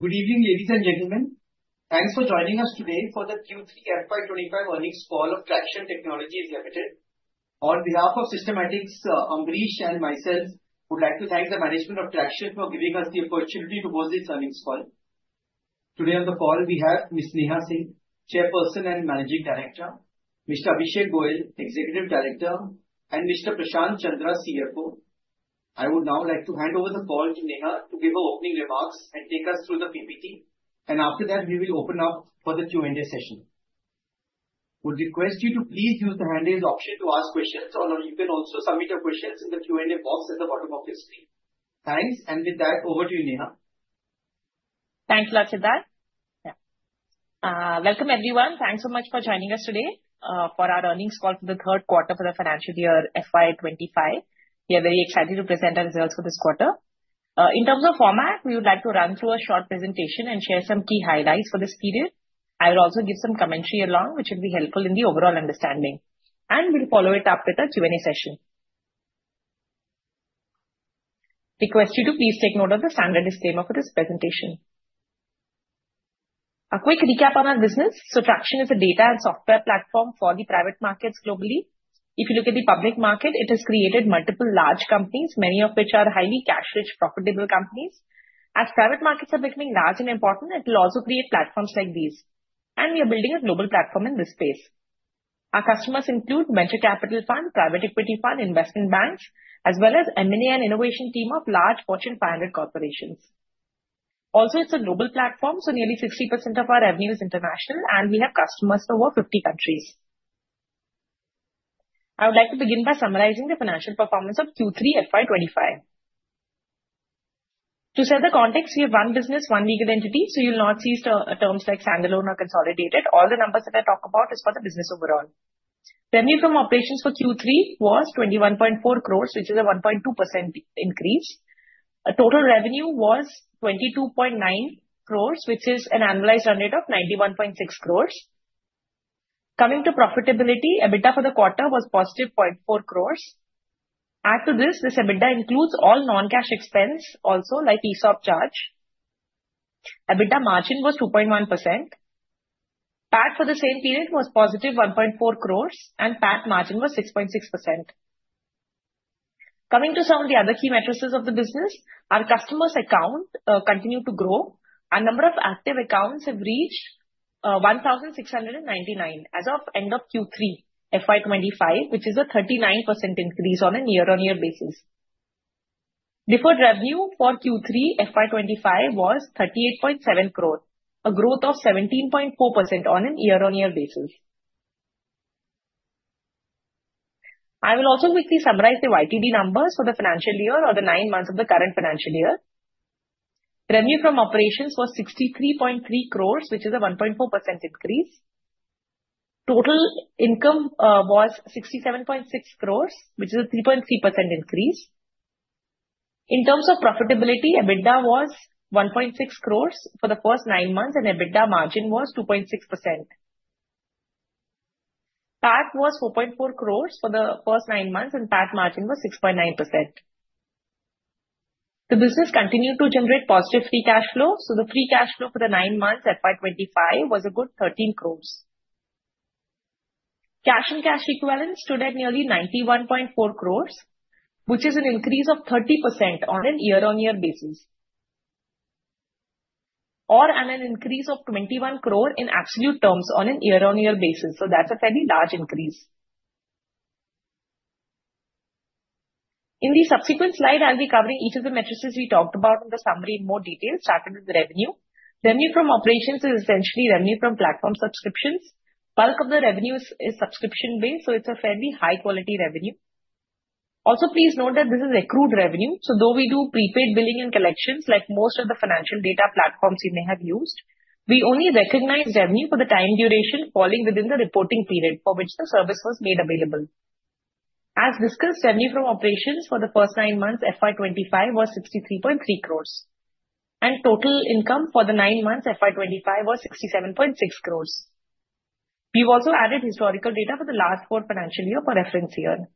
Good evening, ladies and gentlemen. Thanks for joining us today for the Q3 FY 2025 earnings call of Tracxn Technologies Ltd. On behalf of Systematics, Ambrish and myself, we'd like to thank the management of Tracxn for giving us the opportunity to host this earnings call. Today on the call, we have Ms. Neha Singh, Chairperson and Managing Director; Mr. Abhishek Goyal, Executive Director; and Mr. Prashant Chandra, CFO. I would now like to hand over the call to Neha to give her opening remarks and take us through the PPT. After that, we will open up for the Q&A session. We'll request you to please use the handrails option to ask questions, or you can also submit your questions in the Q&A box at the bottom of your screen. Thanks, and with that, over to you, Neha. Thanks a lot, Sidharth. Yeah. Welcome, everyone. Thanks so much for joining us today for our earnings call for the third quarter for the financial year FY 2025. We are very excited to present our results for this quarter. In terms of format, we would like to run through a short presentation and share some key highlights for this period. I will also give some commentary along, which will be helpful in the overall understanding. We will follow it up with a Q&A session. Request you to please take note of the standard disclaimer for this presentation. A quick recap on our business. Tracxn is a data and software platform for the private markets globally. If you look at the public market, it has created multiple large companies, many of which are highly cash-rich, profitable companies. As private markets are becoming large and important, it will also create platforms like these. We are building a global platform in this space. Our customers include venture capital fund, private equity fund, investment banks, as well as M&A and innovation team of large Fortune 500 corporations. Also, it is a global platform, so nearly 60% of our revenue is international, and we have customers in over 50 countries. I would like to begin by summarizing the financial performance of Q3 FY 2025. To set the context, we have one business, one legal entity, so you will not see terms like standalone or consolidated. All the numbers that I talk about are for the business overall. Revenue from operations for Q3 was 21.4 crores, which is a 1.2% increase. Total revenue was 22.9 crores, which is an annualized earned rate of 91.6 crores. Coming to profitability, EBITDA for the quarter was positive 0.4 crore. Add to this, this EBITDA includes all non-cash expense, also like ESOP charge. EBITDA margin was 2.1%. PAT for the same period was positive 1.4 crore, and PAT margin was 6.6%. Coming to some of the other key metrics of the business, our customers' accounts continue to grow. A number of active accounts have reached 1,699 as of end of Q3 FY 2025, which is a 39% increase on a year-on-year basis. Deferred revenue for Q3 FY 2025 was 38.7 crore, a growth of 17.4% on a year-on-year basis. I will also quickly summarize the YTD numbers for the financial year or the nine months of the current financial year. Revenue from operations was 63.3 crore, which is a 1.4% increase. Total income was 67.6 crore, which is a 3.3% increase. In terms of profitability, EBITDA was 1.6 crore for the first nine months, and EBITDA margin was 2.6%. PAT was 4.4 crore for the first nine months, and PAT margin was 6.9%. The business continued to generate positive free cash flow, so the free cash flow for the nine months FY 2025 was a good 13 crore. Cash-on-cash equivalence stood at nearly 91.4 crore, which is an increase of 30% on a year-on-year basis, or an increase of 21 crore in absolute terms on a year-on-year basis. That is a fairly large increase. In the subsequent slide, I'll be covering each of the metrics we talked about in the summary in more detail, starting with revenue. Revenue from operations is essentially revenue from platform subscriptions. Bulk of the revenue is subscription-based, so it's a fairly high-quality revenue. Also, please note that this is accrued revenue. Though we do prepaid billing and collections like most of the financial data platforms you may have used, we only recognize revenue for the time duration falling within the reporting period for which the service was made available. As discussed, revenue from operations for the first nine months FY 2025 was 63.3 crores, and total income for the nine months FY 2025 was 67.6 crores. We've also added historical data for the last four financial years for reference here.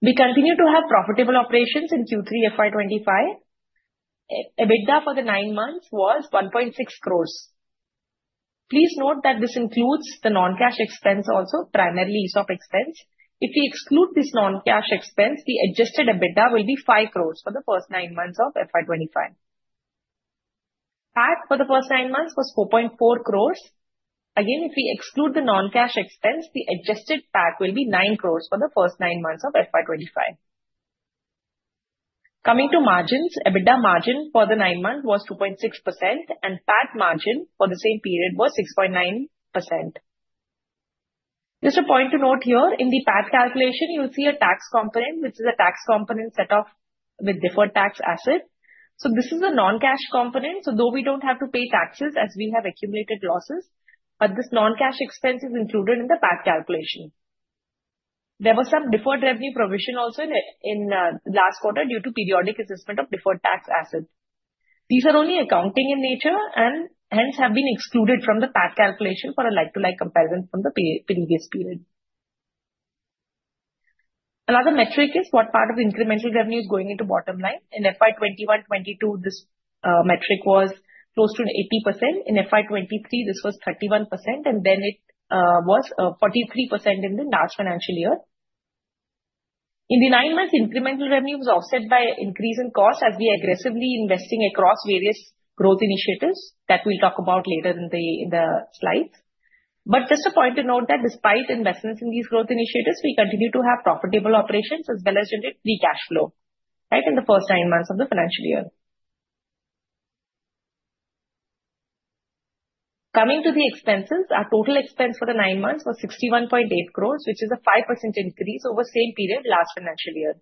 We continue to have profitable operations in Q3 FY 2025. EBITDA for the nine months was 1.6 crores. Please note that this includes the non-cash expense, also primarily ESOP expense. If we exclude this non-cash expense, the adjusted EBITDA will be 5 crores for the first nine months of FY 2025. PAT for the first nine months was 4.4 crores. Again, if we exclude the non-cash expense, the adjusted PAT will be 9 crores for the first nine months of FY 2025. Coming to margins, EBITDA margin for the nine months was 2.6%, and PAT margin for the same period was 6.9%. Just a point to note here, in the PAT calculation, you'll see a tax component, which is a tax component set off with deferred tax asset. This is a non-cash component. Though we don't have to pay taxes as we have accumulated losses, this non-cash expense is included in the PAT calculation. There was some deferred revenue provision also in the last quarter due to periodic assessment of deferred tax asset. These are only accounting in nature and hence have been excluded from the PAT calculation for a like-to-like comparison from the previous period. Another metric is what part of incremental revenue is going into bottom line. In FY 2021-2022, this metric was close to 80%. In FY 2023, this was 31%, and then it was 43% in the last financial year. In the nine months, incremental revenue was offset by increase in cost as we are aggressively investing across various growth initiatives that we will talk about later in the slides. Just a point to note that despite investments in these growth initiatives, we continue to have profitable operations as well as generate free cash flow right in the first nine months of the financial year. Coming to the expenses, our total expense for the nine months was 61.8 crores, which is a 5% increase over the same period last financial year.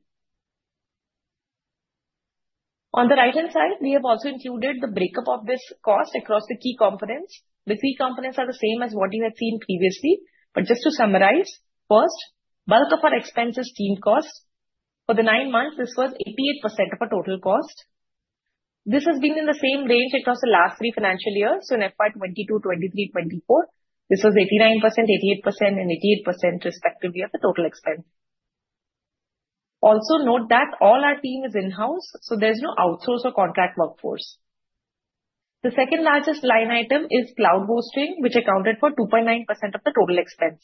On the right-hand side, we have also included the breakup of this cost across the key components. The key components are the same as what you had seen previously. Just to summarize, first, bulk of our expense is team cost. For the nine months, this was 88% of our total cost. This has been in the same range across the last three financial years. In 2022, 2023, 2024, this was 89%, 88%, and 88% respectively of the total expense. Also note that all our team is in-house, so there is no outsource or contract workforce. The second largest line item is cloud hosting, which accounted for 2.9% of the total expense,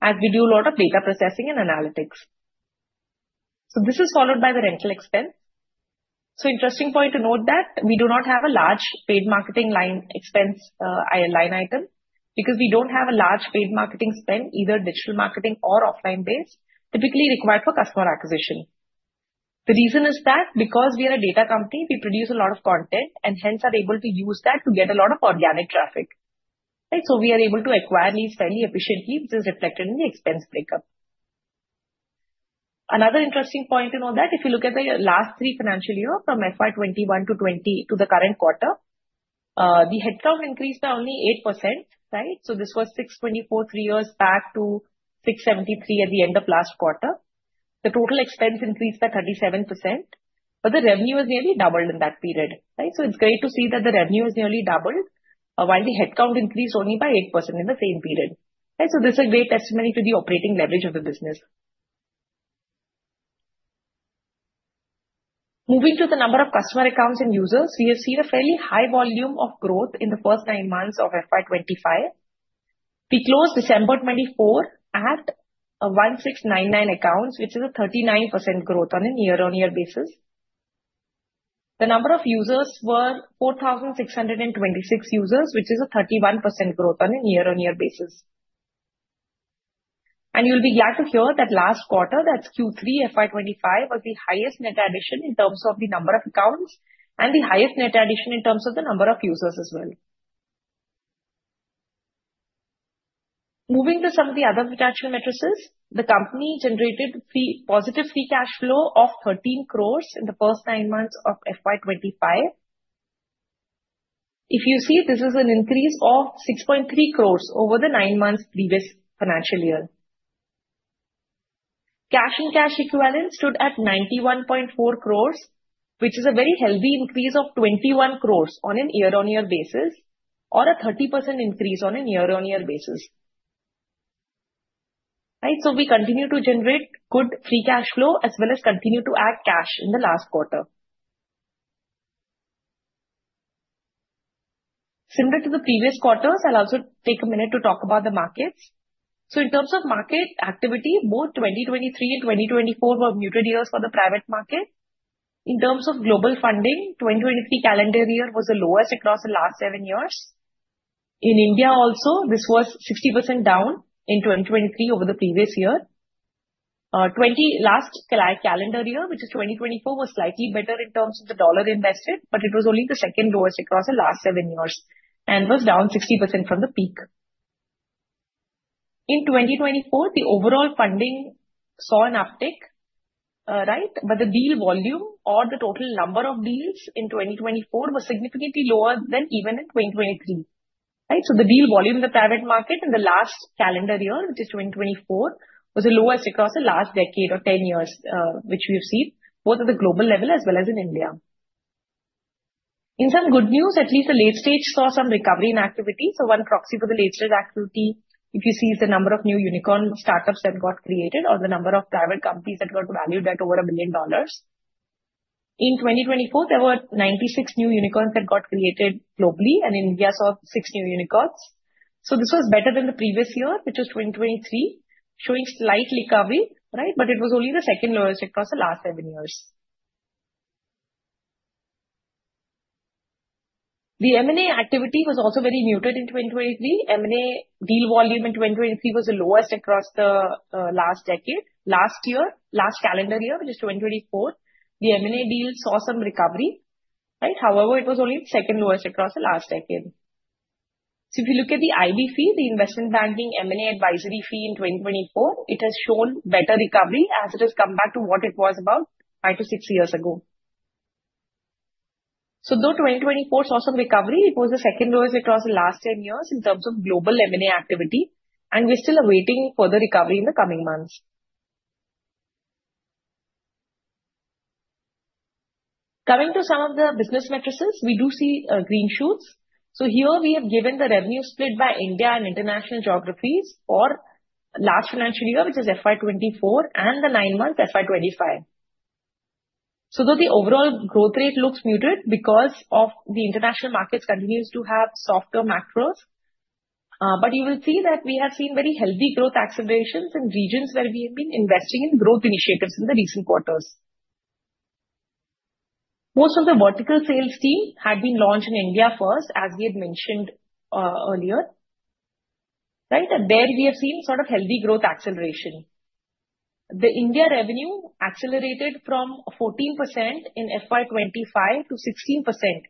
as we do a lot of data processing and analytics. This is followed by the rental expense. An interesting point to note is that we do not have a large paid marketing line expense item because we do not have a large paid marketing spend, either digital marketing or offline-based, typically required for customer acquisition. The reason is that because we are a data company, we produce a lot of content and hence are able to use that to get a lot of organic traffic. We are able to acquire leads fairly efficiently, which is reflected in the expense breakup. Another interesting point to note is that if you look at the last three financial years from FY 2021 to 2020 to the current quarter, the headcount increased by only 8%. This was 624 three years back to 673 at the end of last quarter. The total expense increased by 37%, but the revenue has nearly doubled in that period. It is great to see that the revenue has nearly doubled while the headcount increased only by 8% in the same period. This is a great testimony to the operating leverage of the business. Moving to the number of customer accounts and users, we have seen a fairly high volume of growth in the first nine months of FY 2025. We closed December 2024 at 1,699 accounts, which is a 39% growth on a year-on-year basis. The number of users were 4,626 users, which is a 31% growth on a year-on-year basis. You will be glad to hear that last quarter, that is Q3 FY 2025, was the highest net addition in terms of the number of accounts and the highest net addition in terms of the number of users as well. Moving to some of the other financial metrics, the company generated positive free cash flow of 13 crore in the first nine months of FY 2025. If you see, this is an increase of 6.3 crore over the nine months previous financial year. Cash-on-cash equivalence stood at 91.4 crores, which is a very healthy increase of 21 crores on a year-on-year basis or a 30% increase on a year-on-year basis. We continue to generate good free cash flow as well as continue to add cash in the last quarter. Similar to the previous quarters, I'll also take a minute to talk about the markets. In terms of market activity, both 2023 and 2024 were muted years for the private market. In terms of global funding, the 2023 calendar year was the lowest across the last seven years. In India also, this was 60% down in 2023 over the previous year. Last calendar year, which is 2024, was slightly better in terms of the dollar invested, but it was only the second lowest across the last seven years and was down 60% from the peak. In 2024, the overall funding saw an uptick, but the deal volume or the total number of deals in 2024 was significantly lower than even in 2023. The deal volume in the private market in the last calendar year, which is 2024, was the lowest across the last decade or 10 years, which we have seen both at the global level as well as in India. In some good news, at least the late stage saw some recovery in activity. One proxy for the late stage activity, if you see, is the number of new unicorn startups that got created or the number of private companies that got valued at over a million dollars. In 2024, there were 96 new unicorns that got created globally, and in India, saw six new unicorns. This was better than the previous year, which was 2023, showing slight recovery, but it was only the second lowest across the last seven years. The M&A activity was also very muted in 2023. M&A deal volume in 2023 was the lowest across the last decade. Last year, last calendar year, which is 2024, the M&A deal saw some recovery. However, it was only the second lowest across the last decade. If you look at the IB fee, the investment banking M&A advisory fee in 2024, it has shown better recovery as it has come back to what it was about five to six years ago. Though 2024 saw some recovery, it was the second lowest across the last 10 years in terms of global M&A activity, and we're still awaiting further recovery in the coming months. Coming to some of the business metrics, we do see green shoots. Here we have given the revenue split by India and international geographies for last financial year, which is 2024, and the nine months 2025. Though the overall growth rate looks muted because the international markets continue to have softer macros, you will see that we have seen very healthy growth accelerations in regions where we have been investing in growth initiatives in the recent quarters. Most of the vertical sales team had been launched in India first, as we had mentioned earlier. There we have seen sort of healthy growth acceleration. The India revenue accelerated from 14% in 2025 to 16%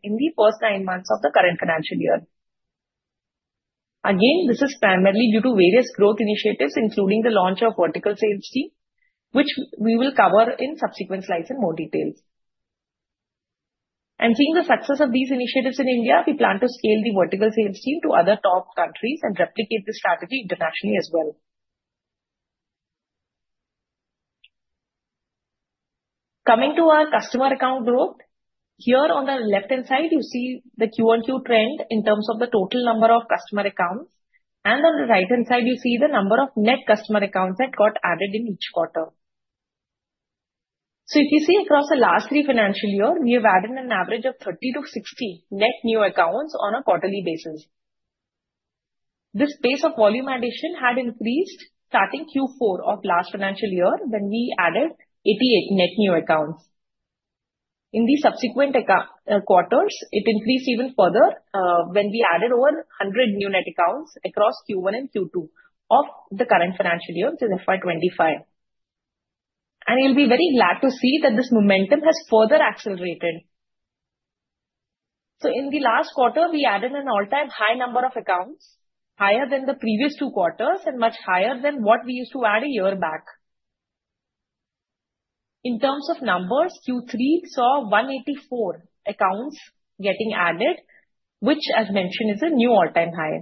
in the first nine months of the current financial year. Again, this is primarily due to various growth initiatives, including the launch of vertical sales team, which we will cover in subsequent slides in more detail. Seeing the success of these initiatives in India, we plan to scale the vertical sales team to other top countries and replicate this strategy internationally as well. Coming to our customer account growth, here on the left-hand side, you see the Q1Q trend in terms of the total number of customer accounts, and on the right-hand side, you see the number of net customer accounts that got added in each quarter. If you see across the last three financial years, we have added an average of 30-60 net new accounts on a quarterly basis. This pace of volume addition had increased starting Q4 of last financial year when we added 88 net new accounts. In the subsequent quarters, it increased even further when we added over 100 new net accounts across Q1 and Q2 of the current financial year in FY 2025. You will be very glad to see that this momentum has further accelerated. In the last quarter, we added an all-time high number of accounts, higher than the previous two quarters and much higher than what we used to add a year back. In terms of numbers, Q3 saw 184 accounts getting added, which, as mentioned, is a new all-time high.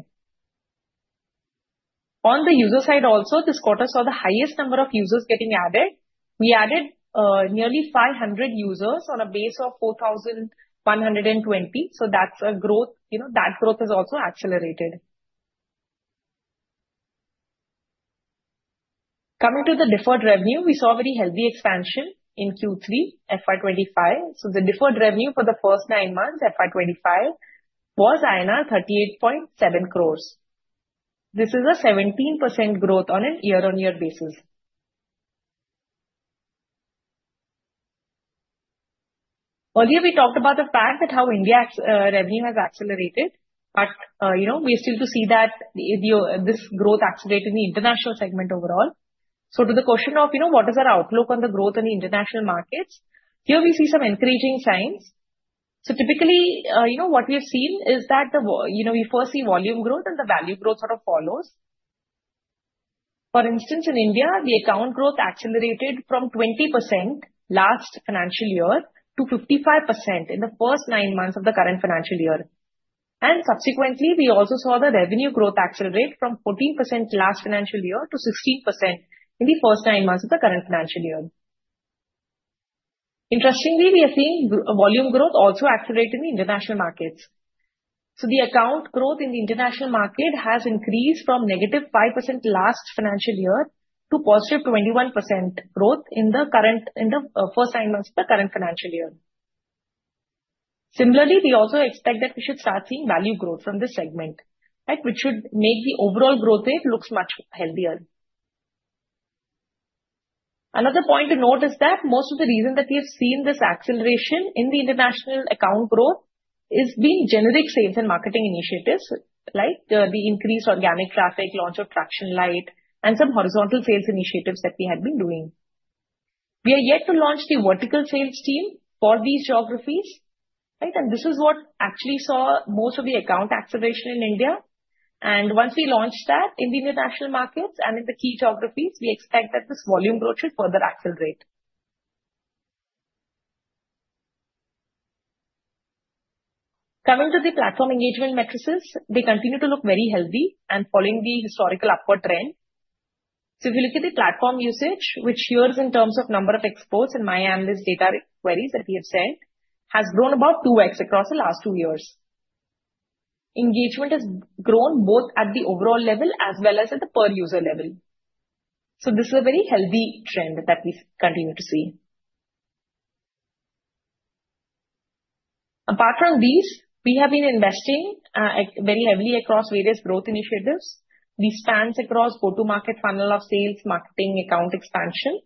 On the user side also, this quarter saw the highest number of users getting added. We added nearly 500 users on a base of 4,120. That growth has also accelerated. Coming to the deferred revenue, we saw very healthy expansion in Q3 FY 2025. The deferred revenue for the first nine months FY 2025 was INR 38.7 crores. This is a 17% growth on a year-on-year basis. Earlier, we talked about the fact that how India revenue has accelerated, but we still do see that this growth accelerated in the international segment overall. To the question of what is our outlook on the growth in the international markets, here we see some encouraging signs. Typically, what we have seen is that we first see volume growth and the value growth sort of follows. For instance, in India, the account growth accelerated from 20% last financial year to 55% in the first nine months of the current financial year. Subsequently, we also saw the revenue growth accelerate from 14% last financial year to 16% in the first nine months of the current financial year. Interestingly, we are seeing volume growth also accelerate in the international markets. The account growth in the international market has increased from negative 5% last financial year to positive 21% growth in the first nine months of the current financial year. Similarly, we also expect that we should start seeing value growth from this segment, which should make the overall growth rate look much healthier. Another point to note is that most of the reason that we have seen this acceleration in the international account growth has been generic sales and marketing initiatives like the increased organic traffic, launch of Tracxn platform, and some horizontal sales initiatives that we had been doing. We are yet to launch the vertical sales team for these geographies, which actually saw most of the account acceleration in India. Once we launch that in the international markets and in the key geographies, we expect that this volume growth should further accelerate. Coming to the platform engagement metrics, they continue to look very healthy and following the historical upward trend. If you look at the platform usage, which years in terms of number of exports and my analyst data queries that we have sent, has grown about 2x across the last two years. Engagement has grown both at the overall level as well as at the per user level. This is a very healthy trend that we continue to see. Apart from these, we have been investing very heavily across various growth initiatives. These span across go-to-market, funnel of sales, marketing, account expansion.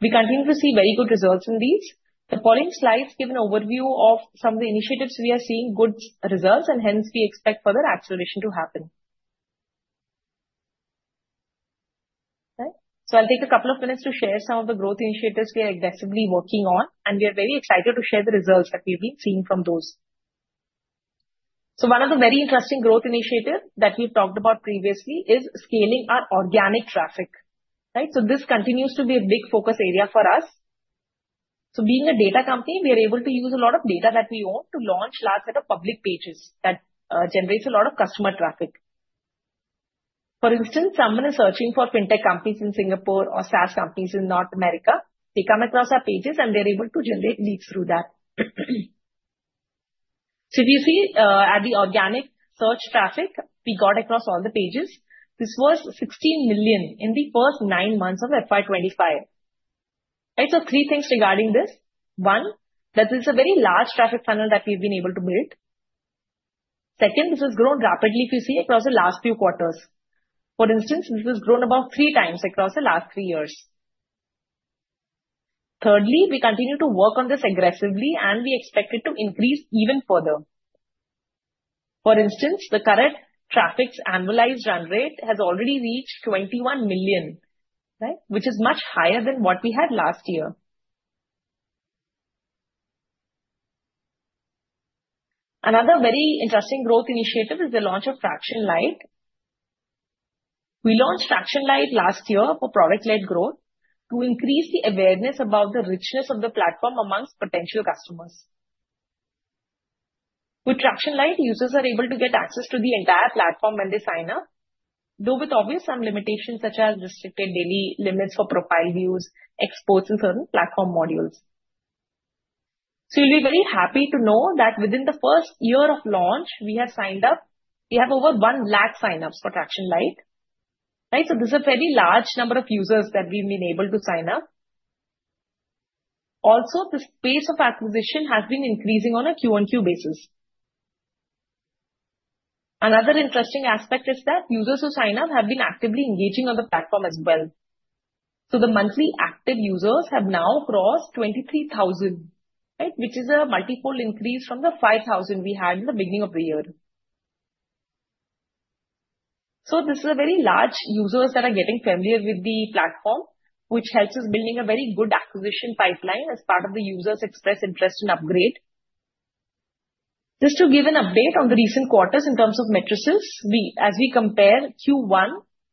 We continue to see very good results in these. The following slides give an overview of some of the initiatives we are seeing good results, and hence we expect further acceleration to happen. I'll take a couple of minutes to share some of the growth initiatives we are aggressively working on, and we are very excited to share the results that we've been seeing from those. One of the very interesting growth initiatives that we've talked about previously is scaling our organic traffic. This continues to be a big focus area for us. Being a data company, we are able to use a lot of data that we own to launch a large set of public pages that generates a lot of customer traffic. For instance, someone is searching for fintech companies in Singapore or SaaS companies in North America. They come across our pages, and they're able to generate leads through that. If you see at the organic search traffic we got across all the pages, this was 16 million in the first nine months of FY 2025. Three things regarding this. One, that this is a very large traffic funnel that we've been able to build. Second, this has grown rapidly, if you see, across the last few quarters. For instance, this has grown about three times across the last three years. Thirdly, we continue to work on this aggressively, and we expect it to increase even further. For instance, the current traffic's annualized run rate has already reached 21 million, which is much higher than what we had last year. Another very interesting growth initiative is the launch of Tracxn Lite. We launched Tracxn Lite last year for product-led growth to increase the awareness about the richness of the platform amongst potential customers. With Tracxn Technologies, users are able to get access to the entire platform when they sign up, though with obvious limitations such as restricted daily limits for profile views, exports, and certain platform modules. You'll be very happy to know that within the first year of launch, we have signed up. We have over 100,000 signups for Tracxn Technologies. This is a fairly large number of users that we've been able to sign up. Also, the pace of acquisition has been increasing on a Q-on-Q basis. Another interesting aspect is that users who sign up have been actively engaging on the platform as well. The monthly active users have now crossed 23,000, which is a multiple increase from the 5,000 we had in the beginning of the year. This is a very large users that are getting familiar with the platform, which helps us build a very good acquisition pipeline as part of the users' express interest in upgrade. Just to give an update on the recent quarters in terms of metrics, as we compare Q1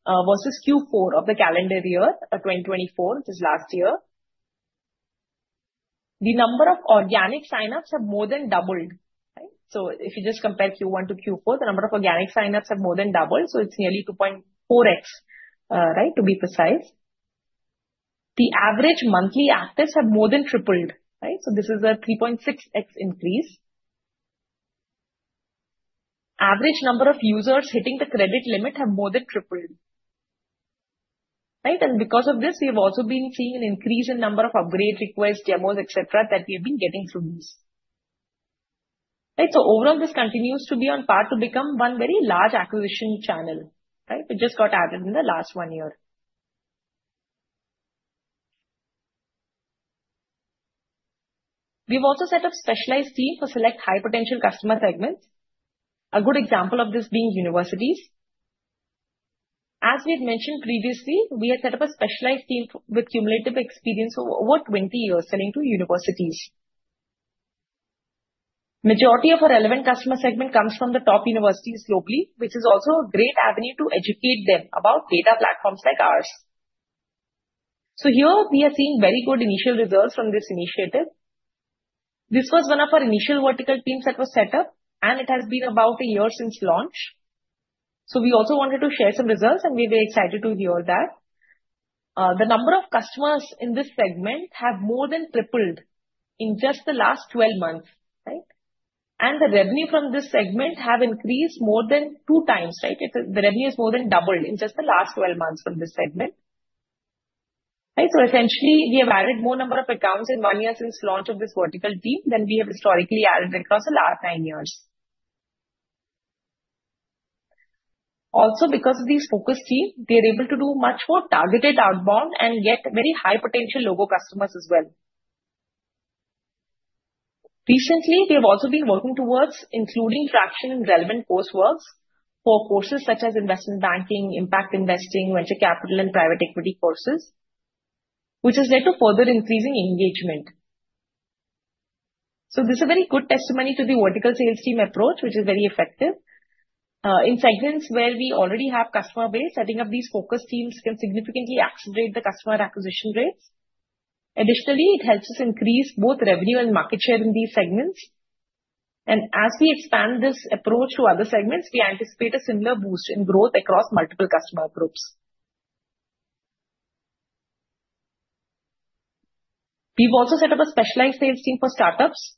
versus Q4 of the calendar year 2024, which is last year, the number of organic signups have more than doubled. If you just compare Q1 to Q4, the number of organic signups have more than doubled. It is nearly 2.4x, to be precise. The average monthly active have more than tripled. This is a 3.6x increase. Average number of users hitting the credit limit have more than tripled. Because of this, we have also been seeing an increase in number of upgrade requests, demos, etc., that we have been getting through these. Overall, this continues to be on path to become one very large acquisition channel. It just got added in the last one year. We've also set up specialized teams to select high-potential customer segments. A good example of this being universities. As we had mentioned previously, we had set up a specialized team with cumulative experience of over 20 years selling to universities. Majority of our relevant customer segment comes from the top universities globally, which is also a great avenue to educate them about data platforms like ours. Here, we are seeing very good initial results from this initiative. This was one of our initial vertical teams that was set up, and it has been about a year since launch. We also wanted to share some results, and we were excited to hear that. The number of customers in this segment have more than tripled in just the last 12 months. The revenue from this segment has increased more than two times. The revenue has more than doubled in just the last 12 months from this segment. Essentially, we have added more number of accounts in one year since launch of this vertical team than we have historically added across the last nine years. Also, because of these focus teams, we are able to do much more targeted outbound and get very high-potential logo customers as well. Recently, we have also been working towards including Tracxn Technologies in relevant coursework for courses such as investment banking, impact investing, venture capital, and private equity courses, which has led to further increasing engagement. This is a very good testimony to the vertical sales team approach, which is very effective. In segments where we already have customer base, setting up these focus teams can significantly accelerate the customer acquisition rates. Additionally, it helps us increase both revenue and market share in these segments. As we expand this approach to other segments, we anticipate a similar boost in growth across multiple customer groups. We've also set up a specialized sales team for startups.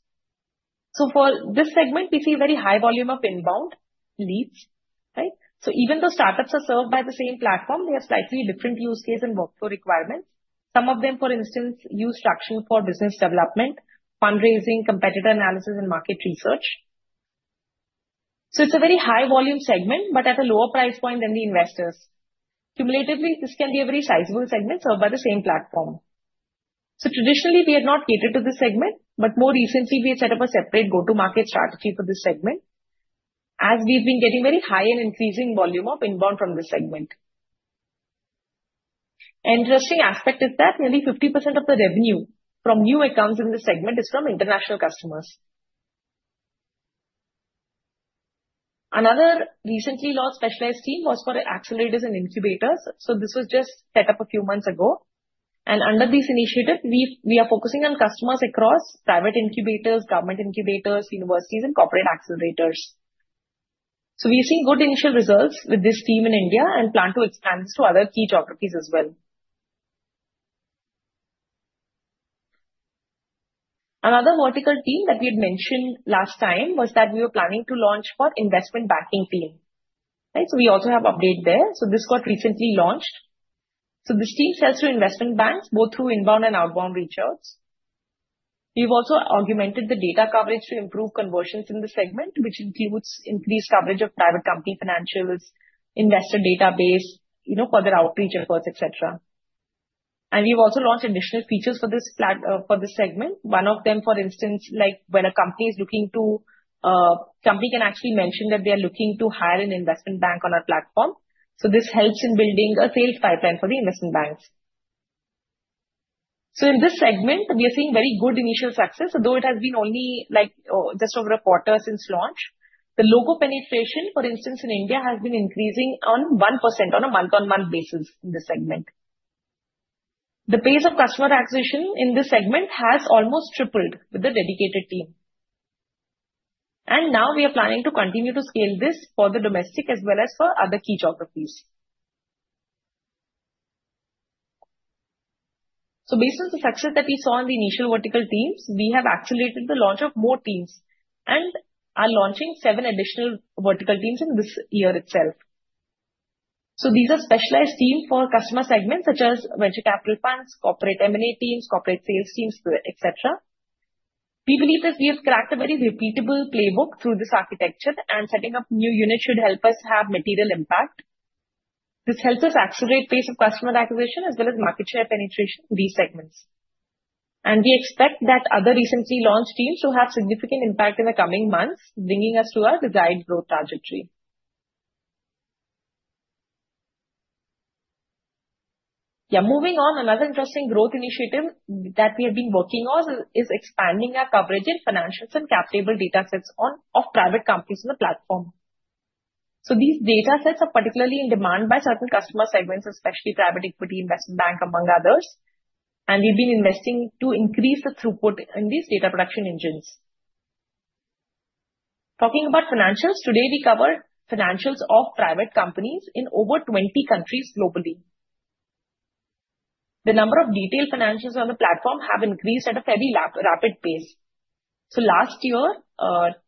For this segment, we see very high volume of inbound leads. Even though startups are served by the same platform, they have slightly different use cases and workflow requirements. Some of them, for instance, use Tracxn Technologies for business development, fundraising, competitor analysis, and market research. It's a very high-volume segment, but at a lower price point than the investors. Cumulatively, this can be a very sizable segment served by the same platform. Traditionally, we had not catered to this segment, but more recently, we had set up a separate go-to-market strategy for this segment as we've been getting very high and increasing volume of inbound from this segment. An interesting aspect is that nearly 50% of the revenue from new accounts in this segment is from international customers. Another recently launched specialized team was for accelerators and incubators. This was just set up a few months ago. Under this initiative, we are focusing on customers across private incubators, government incubators, universities, and corporate accelerators. We have seen good initial results with this team in India and plan to expand this to other key geographies as well. Another vertical team that we had mentioned last time was that we were planning to launch for investment banking team. We also have an update there. This got recently launched. This team sells to investment banks both through inbound and outbound reach-outs. We have also augmented the data coverage to improve conversions in the segment, which includes increased coverage of private company financials, investor database, further outreach efforts, etc. We have also launched additional features for this segment. One of them, for instance, when a company is looking to, a company can actually mention that they are looking to hire an investment bank on our platform. This helps in building a sales pipeline for the investment banks. In this segment, we are seeing very good initial success, although it has been only just over a quarter since launch. The logo penetration, for instance, in India has been increasing on 1% on a month-on-month basis in this segment. The pace of customer acquisition in this segment has almost tripled with the dedicated team. We are planning to continue to scale this for the domestic as well as for other key geographies. Based on the success that we saw in the initial vertical teams, we have accelerated the launch of more teams and are launching seven additional vertical teams in this year itself. These are specialized teams for customer segments such as venture capital funds, corporate M&A teams, corporate sales teams, etc. We believe that we have cracked a very repeatable playbook through this architecture, and setting up new units should help us have material impact. This helps us accelerate the pace of customer acquisition as well as market share penetration in these segments. We expect that other recently launched teams will have significant impact in the coming months, bringing us to our desired growth trajectory. Yeah, moving on, another interesting growth initiative that we have been working on is expanding our coverage in financials and cap table data sets of private companies on the platform. These data sets are particularly in demand by certain customer segments, especially private equity, investment bank, among others. We have been investing to increase the throughput in these data production engines. Talking about financials, today we cover financials of private companies in over 20 countries globally. The number of detailed financials on the platform has increased at a fairly rapid pace. Last year,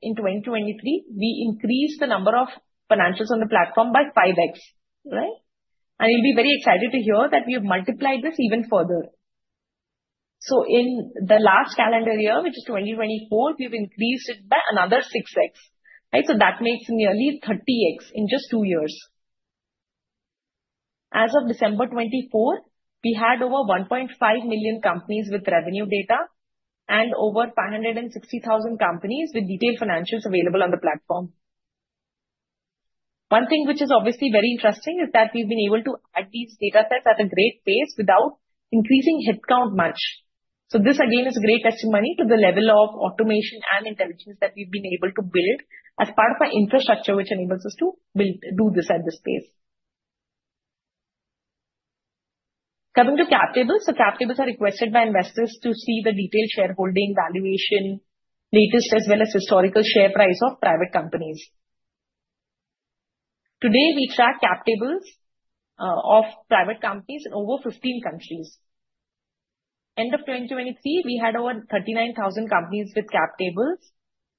in 2023, we increased the number of financials on the platform by 5x. You will be very excited to hear that we have multiplied this even further. In the last calendar year, which is 2024, we have increased it by another 6x. That makes nearly 30x in just two years. As of December 2024, we had over 1.5 million companies with revenue data and over 560,000 companies with detailed financials available on the platform. One thing which is obviously very interesting is that we've been able to add these data sets at a great pace without increasing hit count much. This, again, is a great testimony to the level of automation and intelligence that we've been able to build as part of our infrastructure, which enables us to do this at this pace. Coming to cap tables, cap tables are requested by investors to see the detailed shareholding valuation, latest, as well as historical share price of private companies. Today, we track cap tables of private companies in over 15 countries. End of 2023, we had over 39,000 companies with cap tables.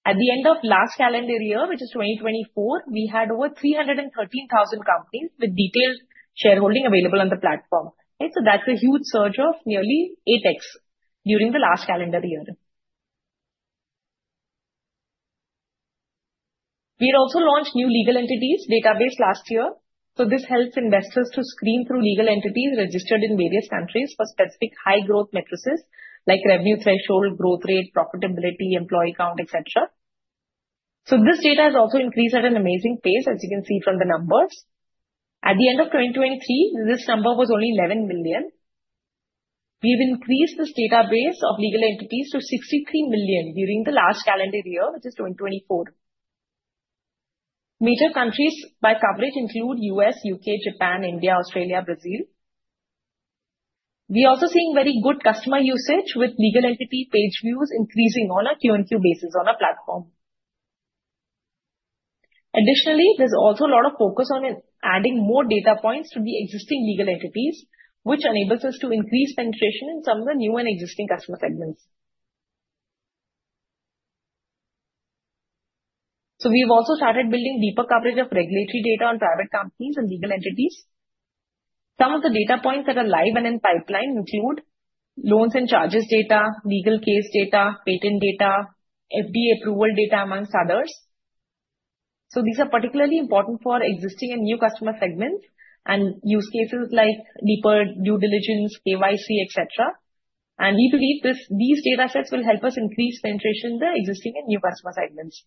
At the end of last calendar year, which is 2024, we had over 313,000 companies with detailed shareholding available on the platform. That is a huge surge of nearly 8x during the last calendar year. We also launched new legal entities database last year. This helps investors to screen through legal entities registered in various countries for specific high-growth matrices like revenue threshold, growth rate, profitability, employee count, etc. This data has also increased at an amazing pace, as you can see from the numbers. At the end of 2023, this number was only 11 million. We have increased this database of legal entities to 63 million during the last calendar year, which is 2024. Major countries by coverage include U.S., U.K., Japan, India, Australia, Brazil. We are also seeing very good customer usage with legal entity page views increasing on a Q&Q basis on our platform. Additionally, there is also a lot of focus on adding more data points to the existing legal entities, which enables us to increase penetration in some of the new and existing customer segments. We have also started building deeper coverage of regulatory data on private companies and legal entities. Some of the data points that are live and in pipeline include loans and charges data, legal case data, patent data, FDA approval data, among others. These are particularly important for existing and new customer segments and use cases like deeper due diligence, KYC, etc. We believe these data sets will help us increase penetration in the existing and new customer segments.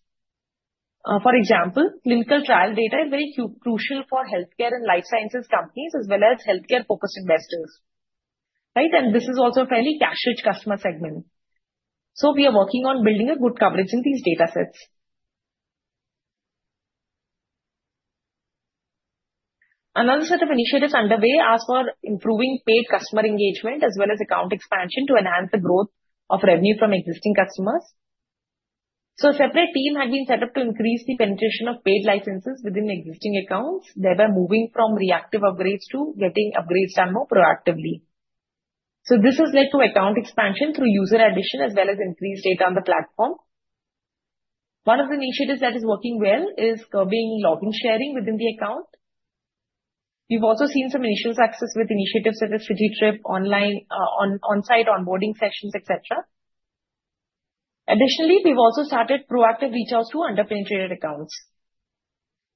For example, clinical trial data is very crucial for healthcare and life sciences companies as well as healthcare-focused investors. This is also a fairly cash-rich customer segment. We are working on building a good coverage in these data sets. Another set of initiatives is underway for improving paid customer engagement as well as account expansion to enhance the growth of revenue from existing customers. A separate team has been set up to increase the penetration of paid licenses within existing accounts, thereby moving from reactive upgrades to getting upgrades done more proactively. This has led to account expansion through user addition as well as increased data on the platform. One of the initiatives that is working well is curbing login sharing within the account. We've also seen some initial success with initiatives such as city trip, online on-site onboarding sessions, etc. Additionally, we've also started proactive reach-outs to under-penetrated accounts.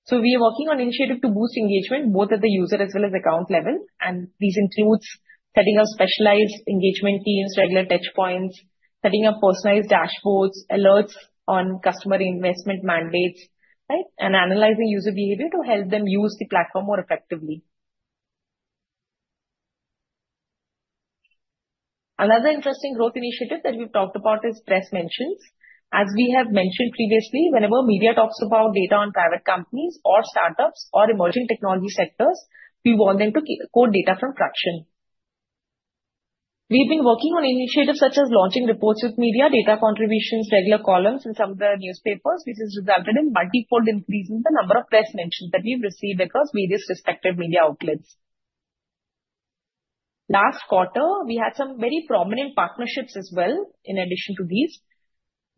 We are working on initiatives to boost engagement both at the user as well as account level. These include setting up specialized engagement teams, regular touchpoints, setting up personalized dashboards, alerts on customer investment mandates, and analyzing user behavior to help them use the platform more effectively. Another interesting growth initiative that we've talked about is press mentions. As we have mentioned previously, whenever media talks about data on private companies or startups or emerging technology sectors, we want them to quote data from Tracxn Technologies. We've been working on initiatives such as launching reports with media, data contributions, regular columns in some of the newspapers, which has resulted in a multi-fold increase in the number of press mentions that we've received across various respective media outlets. Last quarter, we had some very prominent partnerships as well in addition to these.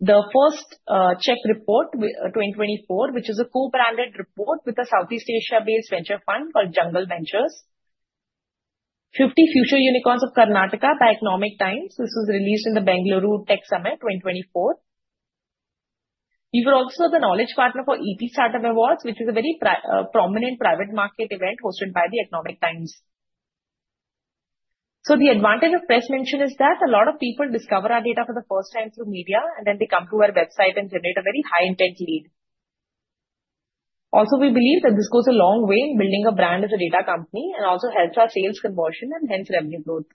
The First Check Report, 2024, which is a co-branded report with a Southeast Asia-based venture fund called Jungle Ventures, 50 Future Unicorns of Karnataka by Economic Times. This was released in the Bengaluru Tech Summit 2024. We were also the knowledge partner for EP Startup Awards, which is a very prominent private market event hosted by the Economic Times. The advantage of press mention is that a lot of people discover our data for the first time through media, and then they come to our website and generate a very high-intent lead. Also, we believe that this goes a long way in building a brand as a data company and also helps our sales conversion and hence revenue growth.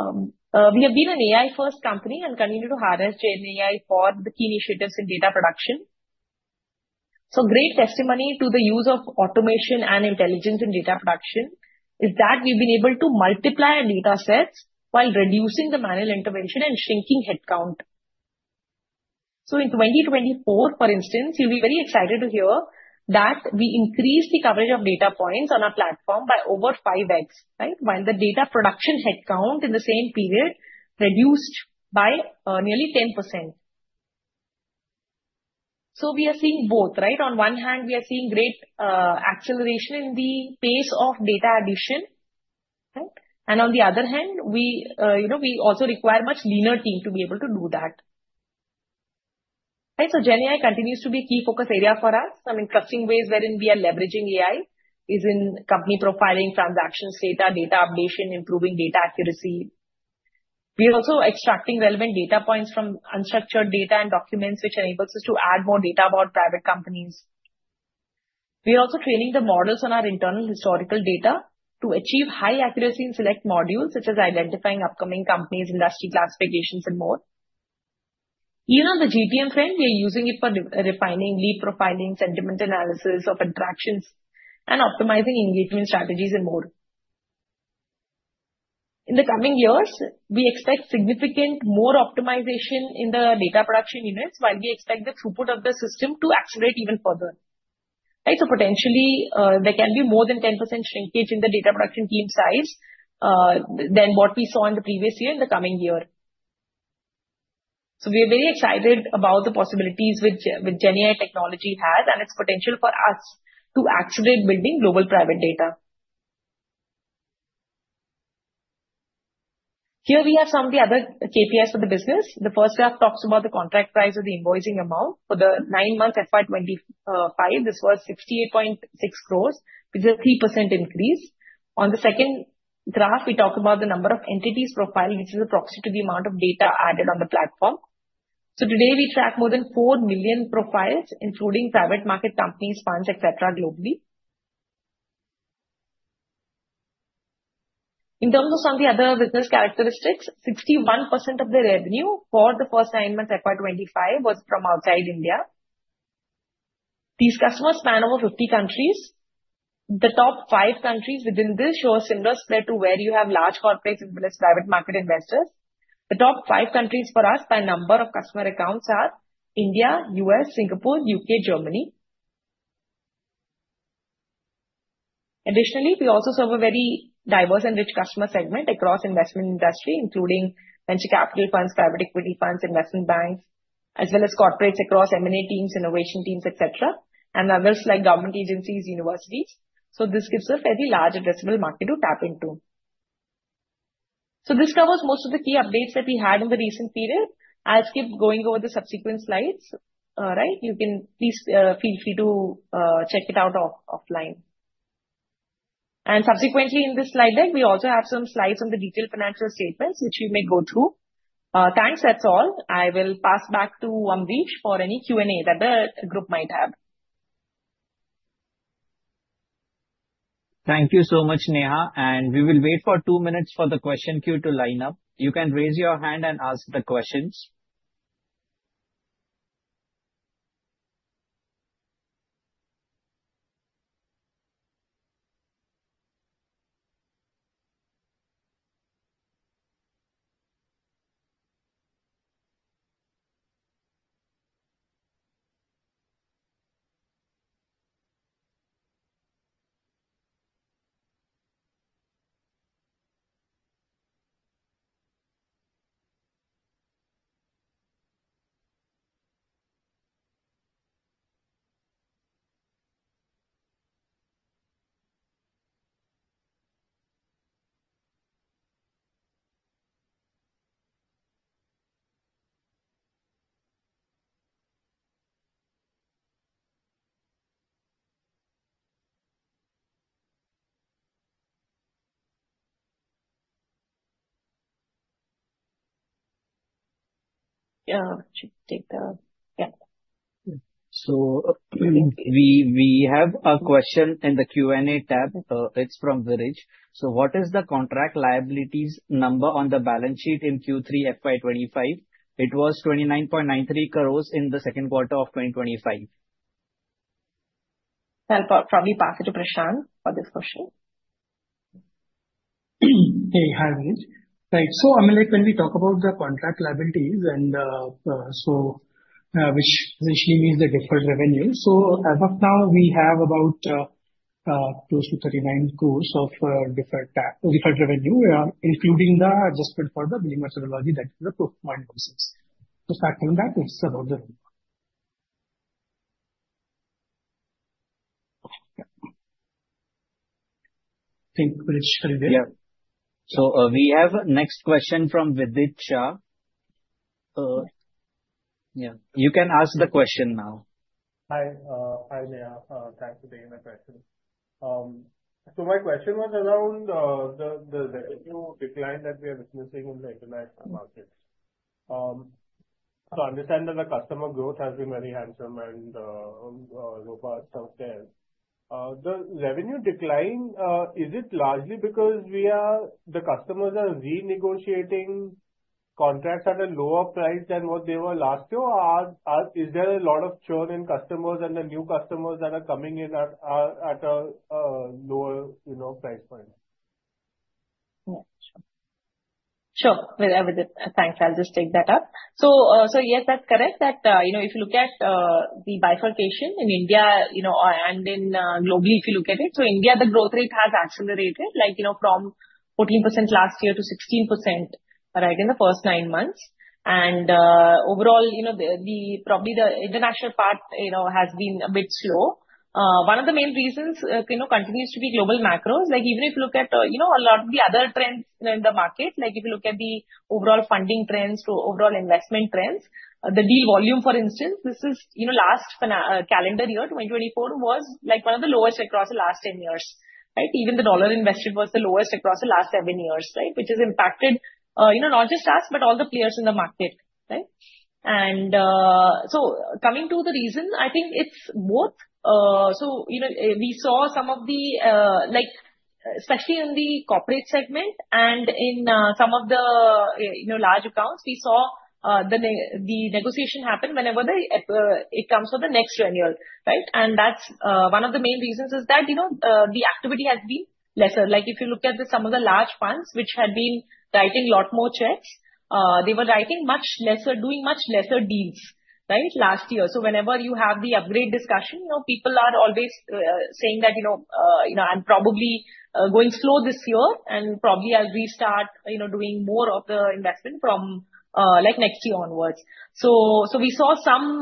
We have been an AI-first company and continue to harness GenAI for the key initiatives in data production. Great testimony to the use of automation and intelligence in data production is that we've been able to multiply our data sets while reducing the manual intervention and shrinking headcount. In 2024, for instance, you'll be very excited to hear that we increased the coverage of data points on our platform by over 5x, while the data production headcount in the same period reduced by nearly 10%. We are seeing both. On one hand, we are seeing great acceleration in the pace of data addition. On the other hand, we also require a much leaner team to be able to do that. GenAI continues to be a key focus area for us. Some interesting ways wherein we are leveraging AI is in company profiling, transactions data, data updation, improving data accuracy. We are also extracting relevant data points from unstructured data and documents, which enables us to add more data about private companies. We are also training the models on our internal historical data to achieve high accuracy in select modules, such as identifying upcoming companies, industry classifications, and more. Even on the GTM front, we are using it for refining, lead profiling, sentiment analysis of interactions, and optimizing engagement strategies and more. In the coming years, we expect significantly more optimization in the data production units, while we expect the throughput of the system to accelerate even further. Potentially, there can be more than 10% shrinkage in the data production team size than what we saw in the previous year in the coming year. We are very excited about the possibilities GenAI technology has and its potential for us to accelerate building global private data. Here we have some of the other KPIs for the business. The first graph talks about the contract price or the invoicing amount. For the nine-month FY 2025, this was 68.6 crores, which is a 3% increase. On the second graph, we talk about the number of entities profiled, which is a proxy to the amount of data added on the platform. Today, we track more than 4 million profiles, including private market companies, funds, etc., globally. In terms of some of the other business characteristics, 61% of the revenue for the first nine months FY 2025 was from outside India. These customers span over 50 countries. The top five countries within this show a similar spread to where you have large corporates as well as private market investors. The top five countries for us by number of customer accounts are India, US, Singapore, U.K., Germany. Additionally, we also serve a very diverse and rich customer segment across investment industry, including venture capital funds, private equity funds, investment banks, as well as corporates across M&A teams, innovation teams, etc., and others like government agencies, universities. This gives a fairly large addressable market to tap into. This covers most of the key updates that we had in the recent period. I'll skip going over the subsequent slides. You can please feel free to check it out offline. Subsequently, in this slide deck, we also have some slides on the detailed financial statements, which we may go through. Thanks. That's all. I will pass back to Ambrish for any Q&A that the group might have. Thank you so much, Neha. We will wait for two minutes for the question queue to line up. You can raise your hand and ask the questions. Yeah, take the yeah. We have a question in the Q&A tab. It's from Viruj. What is the contract liabilities number on the balance sheet in Q3 FY2025? It was 29.93 crores in the second quarter of 2025. I'll probably pass it to Prashant for this question. Hey, hi, Viruj. Right. Ambrish, when we talk about the contract liabilities, which essentially means the deferred revenue, as of now, we have about close to 39 crores of deferred revenue, including the adjustment for the billing methodology that is approved by the business. Starting from that, it's about the revenue. Thank you, Viruj. We have a next question from Vidit Shah. You can ask the question now. Hi. Hi, Neha. Thanks for taking the question. My question was around the revenue decline that we are witnessing in the international market. I understand that the customer growth has been very handsome and robust out there. The revenue decline, is it largely because the customers are renegotiating contracts at a lower price than what they were last year, or is there a lot of churn in customers and the new customers that are coming in at a lower price point? Yeah. Sure. Sure. Thanks. I'll just take that up. Yes, that's correct that if you look at the bifurcation in India and globally, if you look at it, India, the growth rate has accelerated from 14% last year to 16% right in the first nine months. Overall, probably the international part has been a bit slow. One of the main reasons continues to be global macros. Even if you look at a lot of the other trends in the market, if you look at the overall funding trends to overall investment trends, the deal volume, for instance, this last calendar year, 2024, was one of the lowest across the last 10 years. Even the dollar invested was the lowest across the last seven years, which has impacted not just us, but all the players in the market. Coming to the reason, I think it's both. We saw some of the, especially in the corporate segment and in some of the large accounts, we saw the negotiation happen whenever it comes for the next renewal. One of the main reasons is that the activity has been lesser. If you look at some of the large funds, which had been writing a lot more checks, they were writing much lesser, doing much lesser deals last year. Whenever you have the upgrade discussion, people are always saying that, "I'm probably going slow this year, and probably I'll restart doing more of the investment from next year onwards." We saw some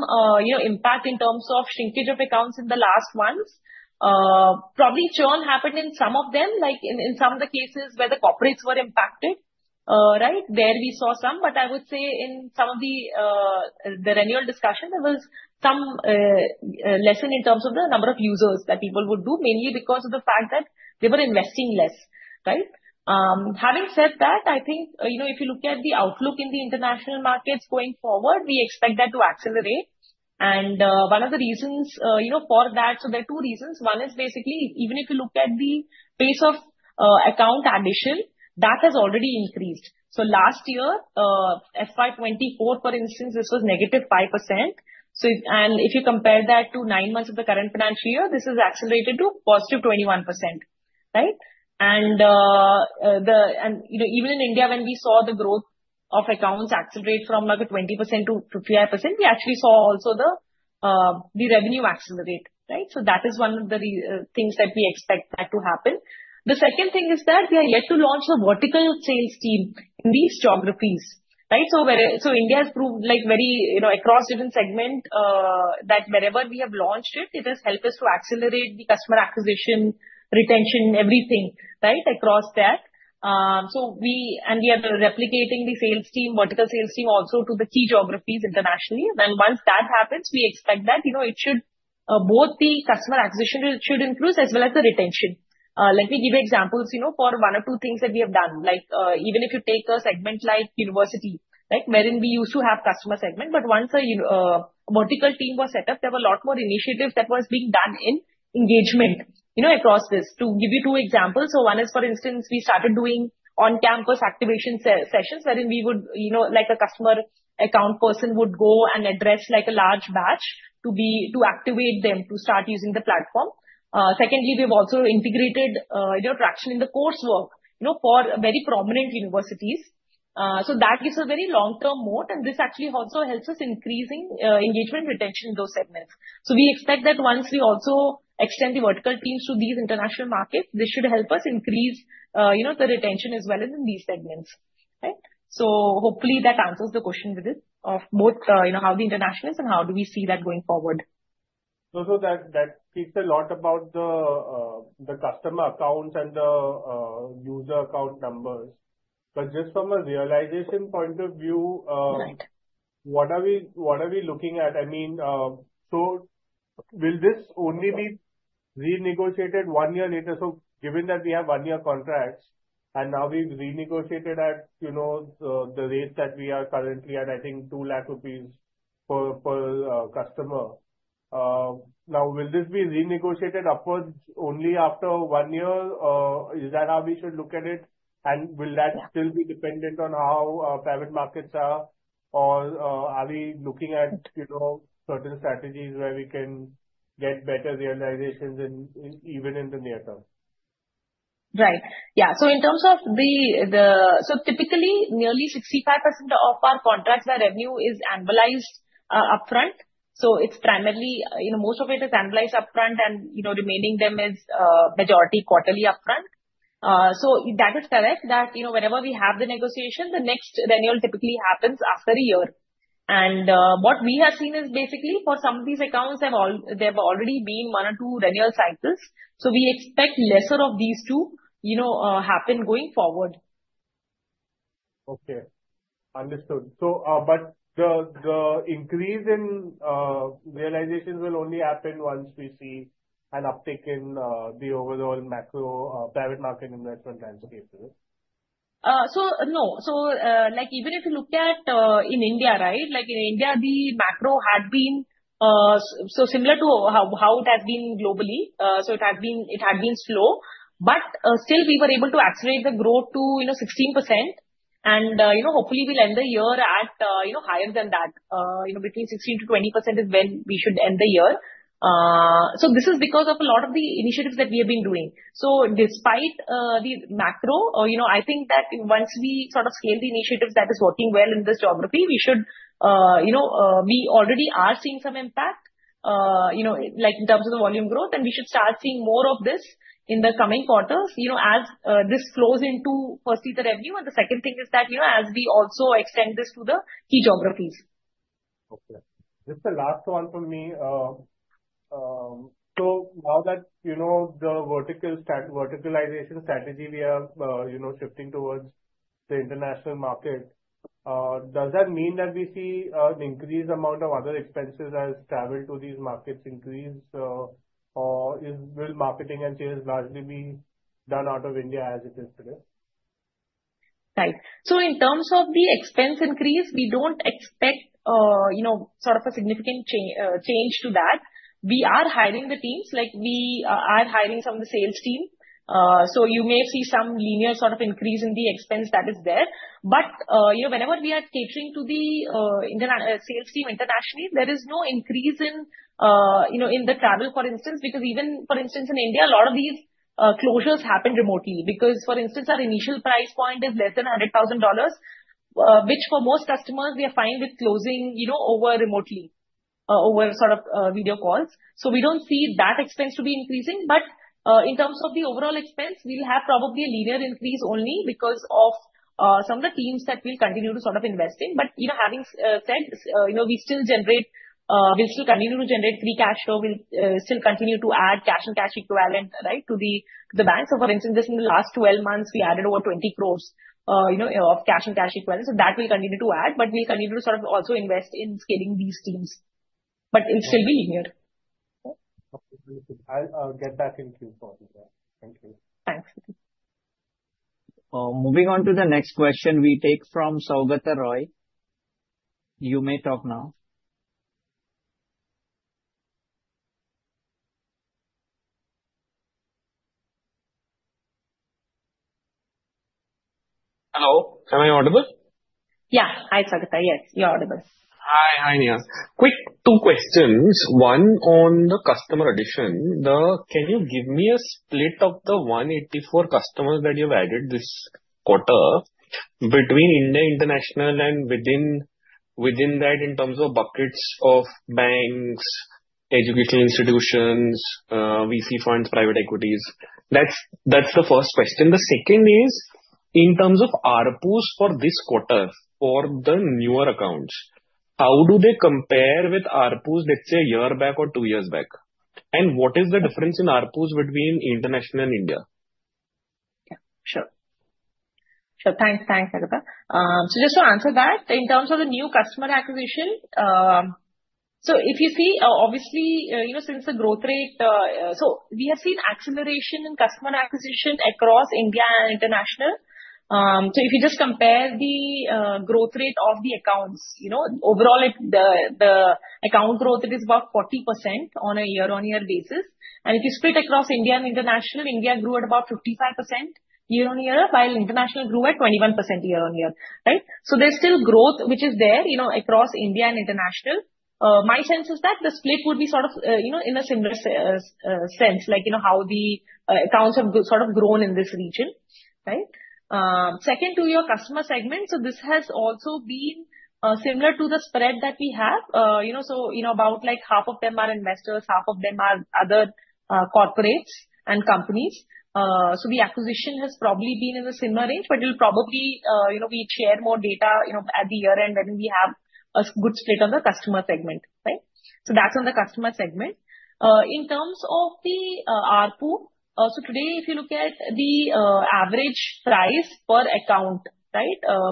impact in terms of shrinkage of accounts in the last months. Probably churn happened in some of them, in some of the cases where the corporates were impacted. There we saw some. I would say in some of the renewal discussion, there was some lessen in terms of the number of users that people would do, mainly because of the fact that they were investing less. Having said that, I think if you look at the outlook in the international markets going forward, we expect that to accelerate. One of the reasons for that, there are two reasons. One is basically, even if you look at the pace of account addition, that has already increased. Last year, FY 2024, for instance, this was negative 5%. If you compare that to nine months of the current financial year, this has accelerated to positive 21%. Even in India, when we saw the growth of accounts accelerate from 20% to 55%, we actually saw also the revenue accelerate. That is one of the things that we expect to happen. The second thing is that we are yet to launch the vertical sales team in these geographies. India has proved across different segments that wherever we have launched it, it has helped us to accelerate the customer acquisition, retention, everything across that. We are replicating the sales team, vertical sales team also to the key geographies internationally. Once that happens, we expect that both the customer acquisition should increase as well as the retention. Let me give you examples for one or two things that we have done. Even if you take a segment like university, wherein we used to have customer segment, but once a vertical team was set up, there were a lot more initiatives that were being done in engagement across this. To give you two examples, one is, for instance, we started doing on-campus activation sessions wherein we would, like a customer account person would go and address a large batch to activate them to start using the platform. Secondly, we have also integrated Tracxn in the coursework for very prominent universities. That gives a very long-term moat, and this actually also helps us increase engagement retention in those segments. We expect that once we also extend the vertical teams to these international markets, this should help us increase the retention as well as in these segments. Hopefully that answers the question, Vidit, of both how the international is and how do we see that going forward. That speaks a lot about the customer accounts and the user account numbers. Just from a realization point of view, what are we looking at? I mean, so will this only be renegotiated one year later? Given that we have one-year contracts and now we've renegotiated at the rate that we are currently at, I think, 200,000 rupees per customer, now will this be renegotiated upwards only after one year? Is that how we should look at it? Will that still be dependent on how private markets are? Are we looking at certain strategies where we can get better realizations even in the near term? Right. Yeah. In terms of the, so typically, nearly 65% of our contracts where revenue is annualized upfront. It is primarily most of it is annualized upfront, and the remaining is majority quarterly upfront. That is correct that whenever we have the negotiation, the next renewal typically happens after a year. What we have seen is basically for some of these accounts, there have already been one or two renewal cycles. We expect lesser of these to happen going forward. Okay. Understood. The increase in realizations will only happen once we see an uptick in the overall macro private market investment landscape, Viruj? No. Even if you look at in India, right, in India, the macro had been so similar to how it has been globally. It had been slow. Still, we were able to accelerate the growth to 16%. Hopefully, we will end the year at higher than that. Between 16-20% is when we should end the year. This is because of a lot of the initiatives that we have been doing. Despite the macro, I think that once we sort of scale the initiatives that are working well in this geography, we should already be seeing some impact in terms of the volume growth, and we should start seeing more of this in the coming quarters as this flows into, firstly, the revenue. The second thing is that as we also extend this to the key geographies. Okay. Just a last one for me. Now that the verticalization strategy we are shifting towards the international market, does that mean that we see an increased amount of other expenses as travel to these markets increases, or will marketing and sales largely be done out of India as it is today? Right. In terms of the expense increase, we do not expect sort of a significant change to that. We are hiring the teams. We are hiring some of the sales team. You may see some linear sort of increase in the expense that is there. Whenever we are catering to the sales team internationally, there is no increase in the travel, for instance, because even in India, a lot of these closures happen remotely because, for instance, our initial price point is less than $100,000, which for most customers, we are fine with closing remotely, over sort of video calls. We do not see that expense to be increasing. In terms of the overall expense, we will have probably a linear increase only because of some of the teams that we will continue to sort of invest in. Having said that, we will still continue to generate free cash flow. We will still continue to add cash and cash equivalent to the banks. For instance, just in the last 12 months, we added over 20 crores of cash and cash equivalent. That will continue to add, but we'll continue to sort of also invest in scaling these teams. It'll still be linear. Okay. I'll get back in queue for you. Thank you. Thanks. Moving on to the next question, we take from Sougata Roy. You may talk now. Hello. Am I audible? Yeah. Hi, Sougata. Yes, you're audible. Hi. Hi, Neha. Quick two questions. One on the customer addition. Can you give me a split of the 184 customers that you've added this quarter between India international and within that in terms of buckets of banks, educational institutions, VC funds, private equities? That's the first question. The second is in terms of ARPUs for this quarter for the newer accounts, how do they compare with ARPUs, let's say, a year back or two years back? And what is the difference in ARPUs between international and India? Yeah. Sure. Sure. Thanks. Thanks, Sougata. So just to answer that, in terms of the new customer acquisition, if you see, obviously, since the growth rate, we have seen acceleration in customer acquisition across India and international. If you just compare the growth rate of the accounts, overall, the account growth, it is about 40% on a year-on-year basis. If you split across India and international, India grew at about 55% year-on-year, while international grew at 21% year-on-year. There is still growth, which is there across India and international. My sense is that the split would be sort of in a similar sense, like how the accounts have sort of grown in this region. Second, to your customer segment, this has also been similar to the spread that we have. About half of them are investors. Half of them are other corporates and companies. The acquisition has probably been in a similar range, but we will probably share more data at the year-end when we have a good split on the customer segment. That is on the customer segment. In terms of the ARPU, today, if you look at the average price per account,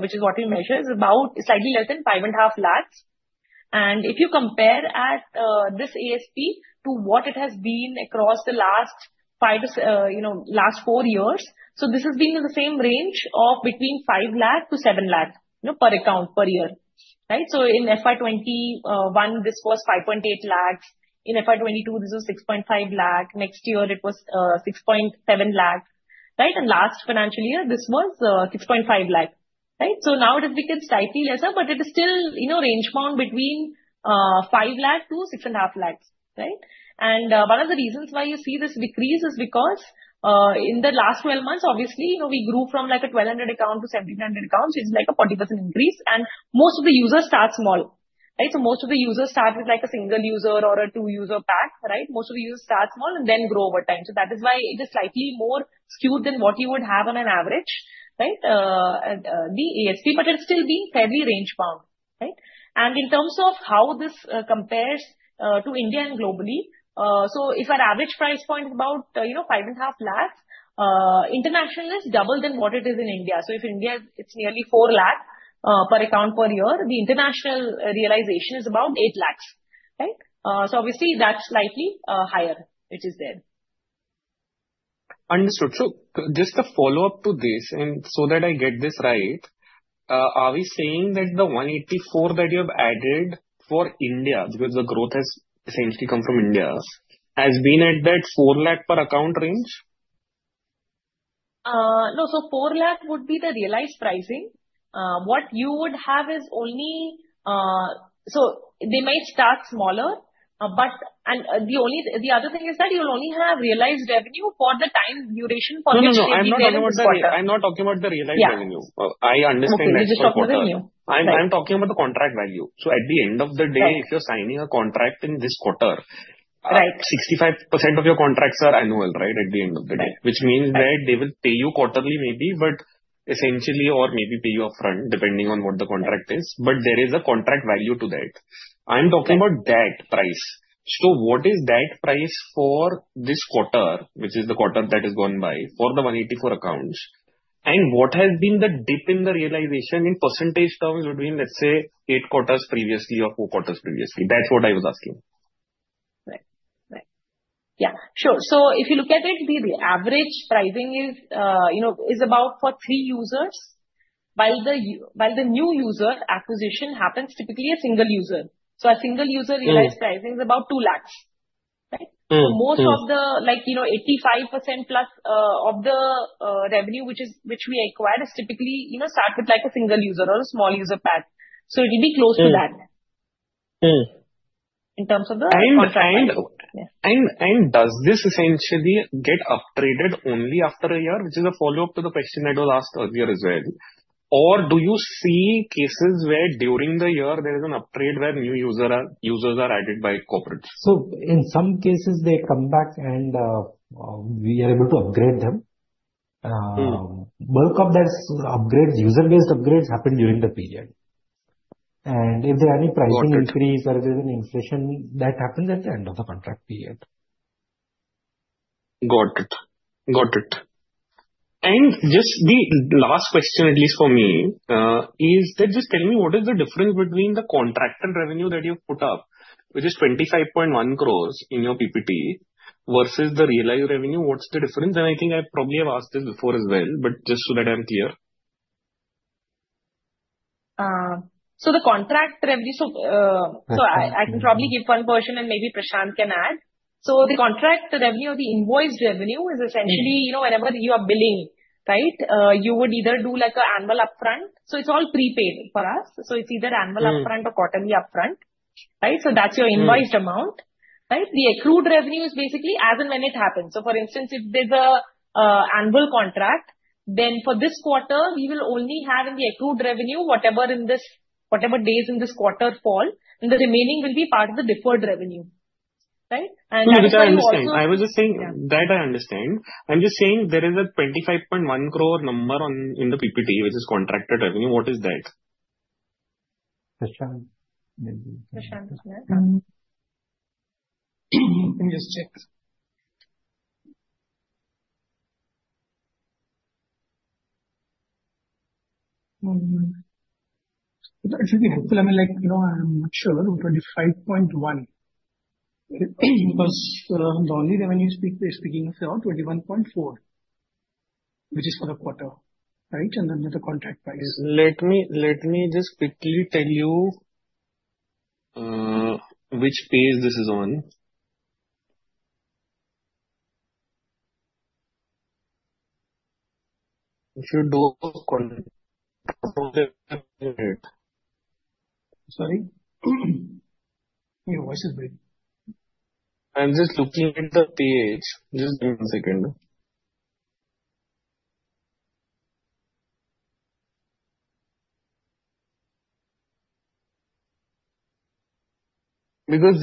which is what we measure, it is about slightly less than 550,000. If you compare this ASP to what it has been across the last four years, this has been in the same range of between 500,000-700,000 per account per year. In FY 2021, this was 580,000. In FY 2022, this was 650,000. Next year, it was 670,000. Last financial year, this was 650,000. Now it has become slightly lesser, but it is still range bound between 500,000-650,000. One of the reasons why you see this decrease is because in the last 12 months, obviously, we grew from 1,200 accounts to 1,700 accounts, which is like a 40% increase. Most of the users start small. Most of the users start with a single user or a two-user pack. Most of the users start small and then grow over time. That is why it is slightly more skewed than what you would have on an average, the ASP, but it's still been fairly range bound. In terms of how this compares to India and globally, if our average price point is about 550,000, international is double than what it is in India. If India, it's nearly 400,000 per account per year, the international realization is about 800,000. Obviously, that's slightly higher, which is there. Understood. Just a follow-up to this, and so that I get this right, are we saying that the 184 that you have added for India, because the growth has essentially come from India, has been at that 400,000 per account range? No. 400,000 would be the realized pricing. What you would have is only so they might start smaller. The other thing is that you'll only have realized revenue for the time duration for which they've been verified. I'm not talking about the realized revenue. I understand that. I'm talking about the contract value. At the end of the day, if you're signing a contract in this quarter, 65% of your contracts are annual, right, at the end of the day, which means that they will pay you quarterly maybe, but essentially, or maybe pay you upfront, depending on what the contract is. There is a contract value to that. I'm talking about that price. What is that price for this quarter, which is the quarter that has gone by, for the 184 accounts? What has been the dip in the realization in percentage terms between, let's say, eight quarters previously or four quarters previously? That's what I was asking. Right. Right. Yeah. Sure. If you look at it, the average pricing is about for three users, while the new user acquisition happens typically a single user. A single user realized pricing is about 200,000. Most of the 85%+ of the revenue, which we acquired, is typically start with a single user or a small user pack. It will be close to that in terms of the contract value. Does this essentially get upgraded only after a year, which is a follow-up to the question that was asked earlier as well? Or do you see cases where during the year, there is an upgrade where new users are added by corporates? In some cases, they come back and we are able to upgrade them. Bulk of that upgrades, user-based upgrades, happen during the period. If there are any pricing increase or if there's an inflation, that happens at the end of the contract period. Got it. Got it. Just the last question, at least for me, is that just tell me what is the difference between the contract and revenue that you've put up, which is 25.1 crores in your PPT versus the realized revenue. What's the difference? I think I probably have asked this before as well, but just so that I'm clear. The contract revenue, so I can probably give one version and maybe Prashant can add. The contract revenue or the invoiced revenue is essentially whenever you are billing, you would either do an annual upfront. It's all prepaid for us. It's either annual upfront or quarterly upfront. That's your invoiced amount. The accrued revenue is basically as and when it happens. For instance, if there's an annual contract, then for this quarter, we will only have in the accrued revenue whatever days in this quarter fall. The remaining will be part of the deferred revenue. That's how it works. I was just saying that I understand. I'm just saying there is a 25.1 crore number in the PPT, which is contracted revenue. What is that? Prashant. Let me just check. It should be helpful. I mean, I'm not sure 25.1 crore because the only revenue speaking of is 21.4 crore, which is for the quarter, and then the contract price. Let me just quickly tell you which page this is on. If you do a minute. Sorry. Your voice is breaking. I'm just looking at the page. Just give me a second.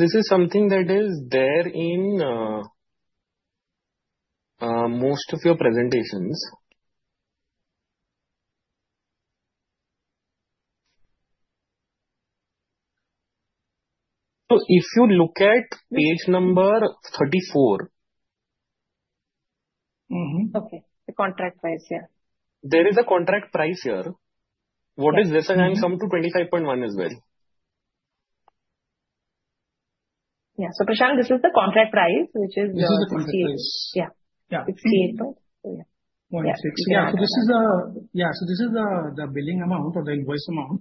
This is something that is there in most of your presentations. If you look at page number 34. Okay. The contract price, yeah. There is a contract price here. What is this? I'm coming to 25.1 as well. Yeah. Prashant, this is the contract price, which is the. This is the contract price. Yeah. INR 68.16. Yeah. This is the billing amount or the invoice amount,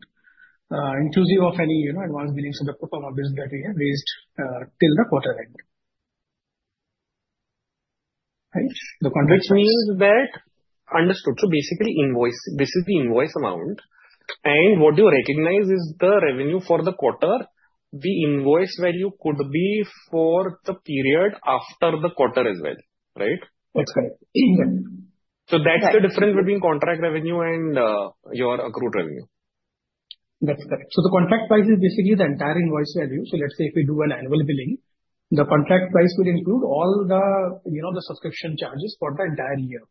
inclusive of any advance billing subject to our business that we have raised till the quarter end. The contract price. Which means that understood. Basically, this is the invoice amount. What you recognize is the revenue for the quarter. The invoice value could be for the period after the quarter as well. Right? That's correct. That's the difference between contract revenue and your accrued revenue. That's correct. The contract price is basically the entire invoice value. Let's say if we do an annual billing, the contract price will include all the subscription charges for the entire year,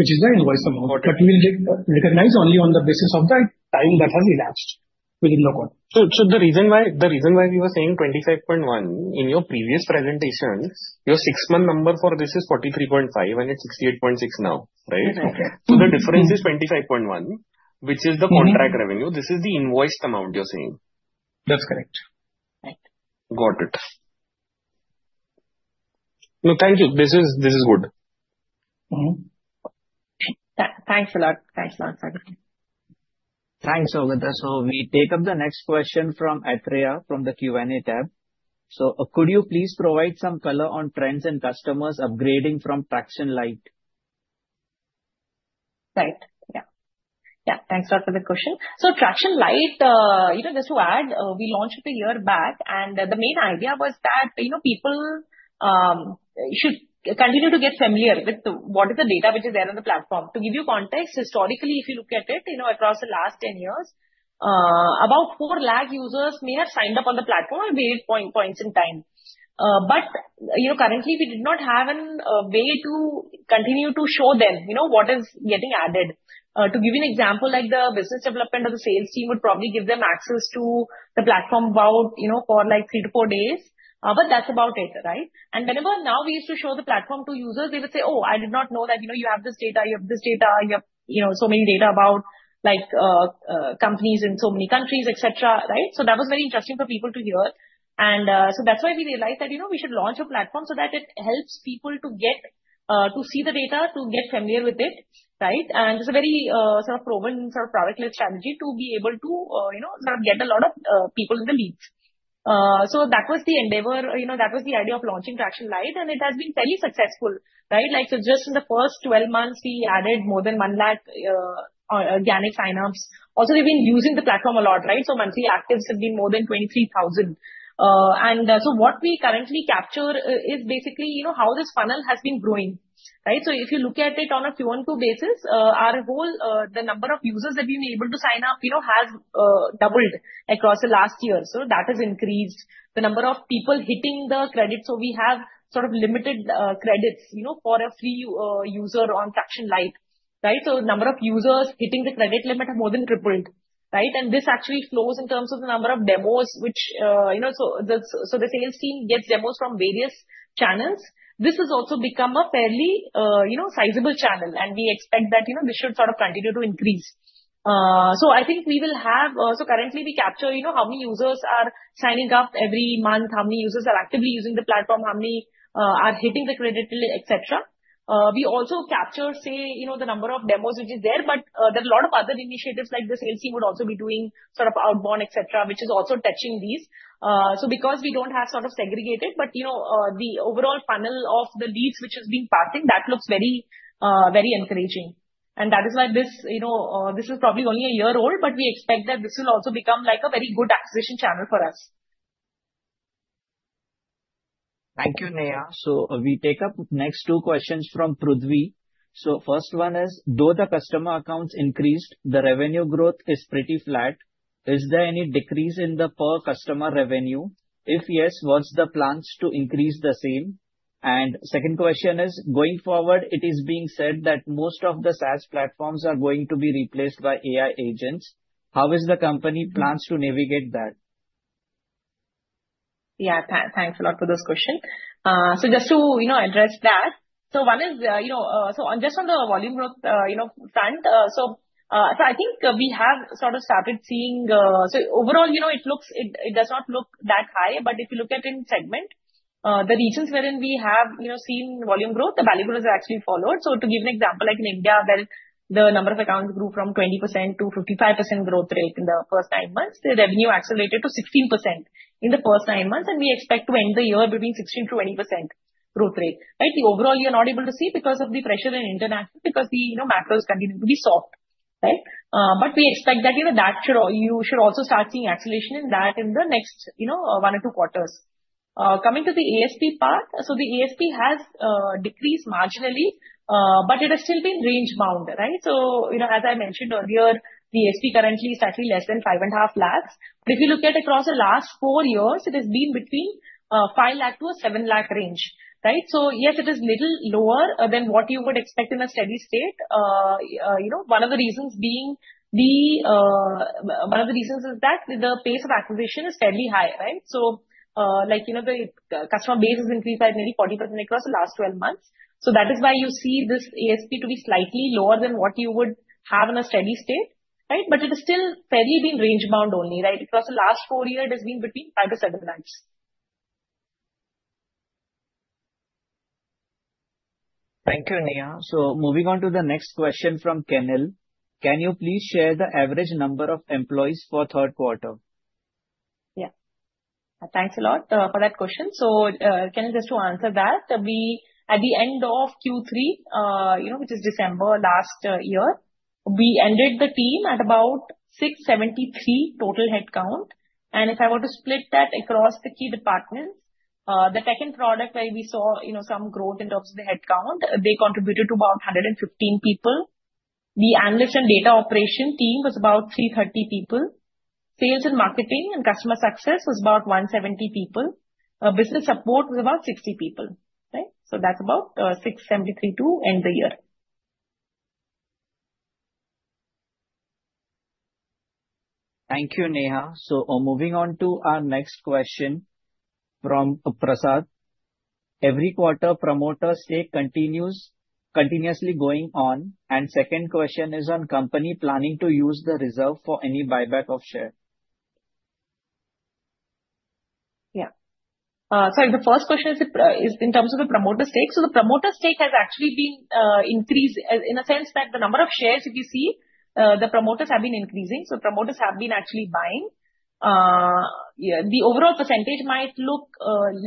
which is the invoice amount. We will recognize only on the basis of the time that has elapsed within the quarter. The reason why we were saying 25.1 in your previous presentation, your six-month number for this is 43.5, and it is 68.6 now. Right? The difference is 25.1, which is the contract revenue. This is the invoiced amount you are saying. That's correct. Got it. No, thank you. This is good. Thanks a lot. Thanks a lot, Sougata. Thanks, Sougata. We take up the next question from Athreya from the Q&A tab. Could you please provide some color on trends and customers upgrading from Tracxn Lite? Right. Yeah. Yeah. Thanks a lot for the question. Tracxn Lite, just to add, we launched a year back. The main idea was that people should continue to get familiar with what is the data which is there on the platform. To give you context, historically, if you look at it across the last 10 years, about 400,000 users may have signed up on the platform at various points in time. Currently, we did not have a way to continue to show them what is getting added. To give you an example, the business development or the sales team would probably give them access to the platform for three to four days. That's about it. Whenever now we used to show the platform to users, they would say, "Oh, I did not know that you have this data. You have this data. You have so many data about companies in so many countries, etc. That was very interesting for people to hear. That is why we realized that we should launch a platform so that it helps people to see the data, to get familiar with it. It is a very sort of proven sort of product-led strategy to be able to sort of get a lot of people in the lead. That was the endeavor. That was the idea of launching Tracxn Lite. It has been fairly successful. Just in the first 12 months, we added more than 100,000 organic sign-ups. Also, we have been using the platform a lot. Monthly actives have been more than 23,000. What we currently capture is basically how this funnel has been growing. If you look at it on a Q1, Q2 basis, the number of users that we've been able to sign up has doubled across the last year. That has increased the number of people hitting the credits. We have sort of limited credits for a free user on Tracxn Lite. The number of users hitting the credit limit have more than tripled. This actually flows in terms of the number of demos, which the sales team gets from various channels. This has also become a fairly sizable channel. We expect that this should sort of continue to increase. I think we will have, so currently, we capture how many users are signing up every month, how many users are actively using the platform, how many are hitting the credit, etc. We also capture, say, the number of demos, which is there. There are a lot of other initiatives like the sales team would also be doing sort of outbound, etc., which is also touching these. Because we do not have sort of segregated, the overall funnel of the leads which is being passing, that looks very encouraging. That is why this is probably only a year old, but we expect that this will also become a very good acquisition channel for us. Thank you, Neha. We take up next two questions from Pridhvi. The first one is, though the customer accounts increased, the revenue growth is pretty flat. Is there any decrease in the per customer revenue? If yes, what is the plan to increase the same? The second question is, going forward, it is being said that most of the SaaS platforms are going to be replaced by AI agents. How is the company plans to navigate that? Yeah. Thanks a lot for those questions. Just to address that, one is just on the volume growth front. I think we have sort of started seeing, overall, it does not look that high. If you look at it in segment, the regions wherein we have seen volume growth, the value growth has actually followed. To give an example, like in India, where the number of accounts grew from 20% to 55% growth rate in the first nine months, the revenue accelerated to 16% in the first nine months. We expect to end the year between 16%-20% growth rate. Overall, you are not able to see because of the pressure in international because the macro is continuing to be soft. We expect that you should also start seeing acceleration in that in the next one or two quarters. Coming to the ASP part, the ASP has decreased marginally, but it has still been range-bound. As I mentioned earlier, the ASP currently is slightly less than 550,000. If you look at across the last four years, it has been between 500,000-700,000 range. Yes, it is a little lower than what you would expect in a steady state. One of the reasons is that the pace of acquisition is fairly high. The customer base has increased by maybe 40% across the last 12 months. That is why you see this ASP to be slightly lower than what you would have in a steady state. It has still fairly been range-bound only. Across the last four years, it has been between 500,000-700,000. Thank you, Neha. Moving on to the next question from Kenil. Can you please share the average number of employees for third quarter? Yeah. Thanks a lot for that question. Just to answer that, at the end of Q3, which is December last year, we ended the team at about 673 total headcount. If I were to split that across the key departments, the tech and product, where we saw some growth in terms of the headcount, they contributed to about 115 people. The analyst and data operation team was about 330 people. Sales and marketing and customer success was about 170 people. Business support was about 60 people. That is about 673 to end the year. Thank you, Neha. Moving on to our next question from Prashant. Every quarter, promoter stake continuously going on. The second question is on company planning to use the reserve for any buyback of share. Yeah. Sorry, the first question is in terms of the promoter stake. The promoter stake has actually been increased in a sense that the number of shares, if you see, the promoters have been increasing. Promoters have been actually buying. The overall percentage might look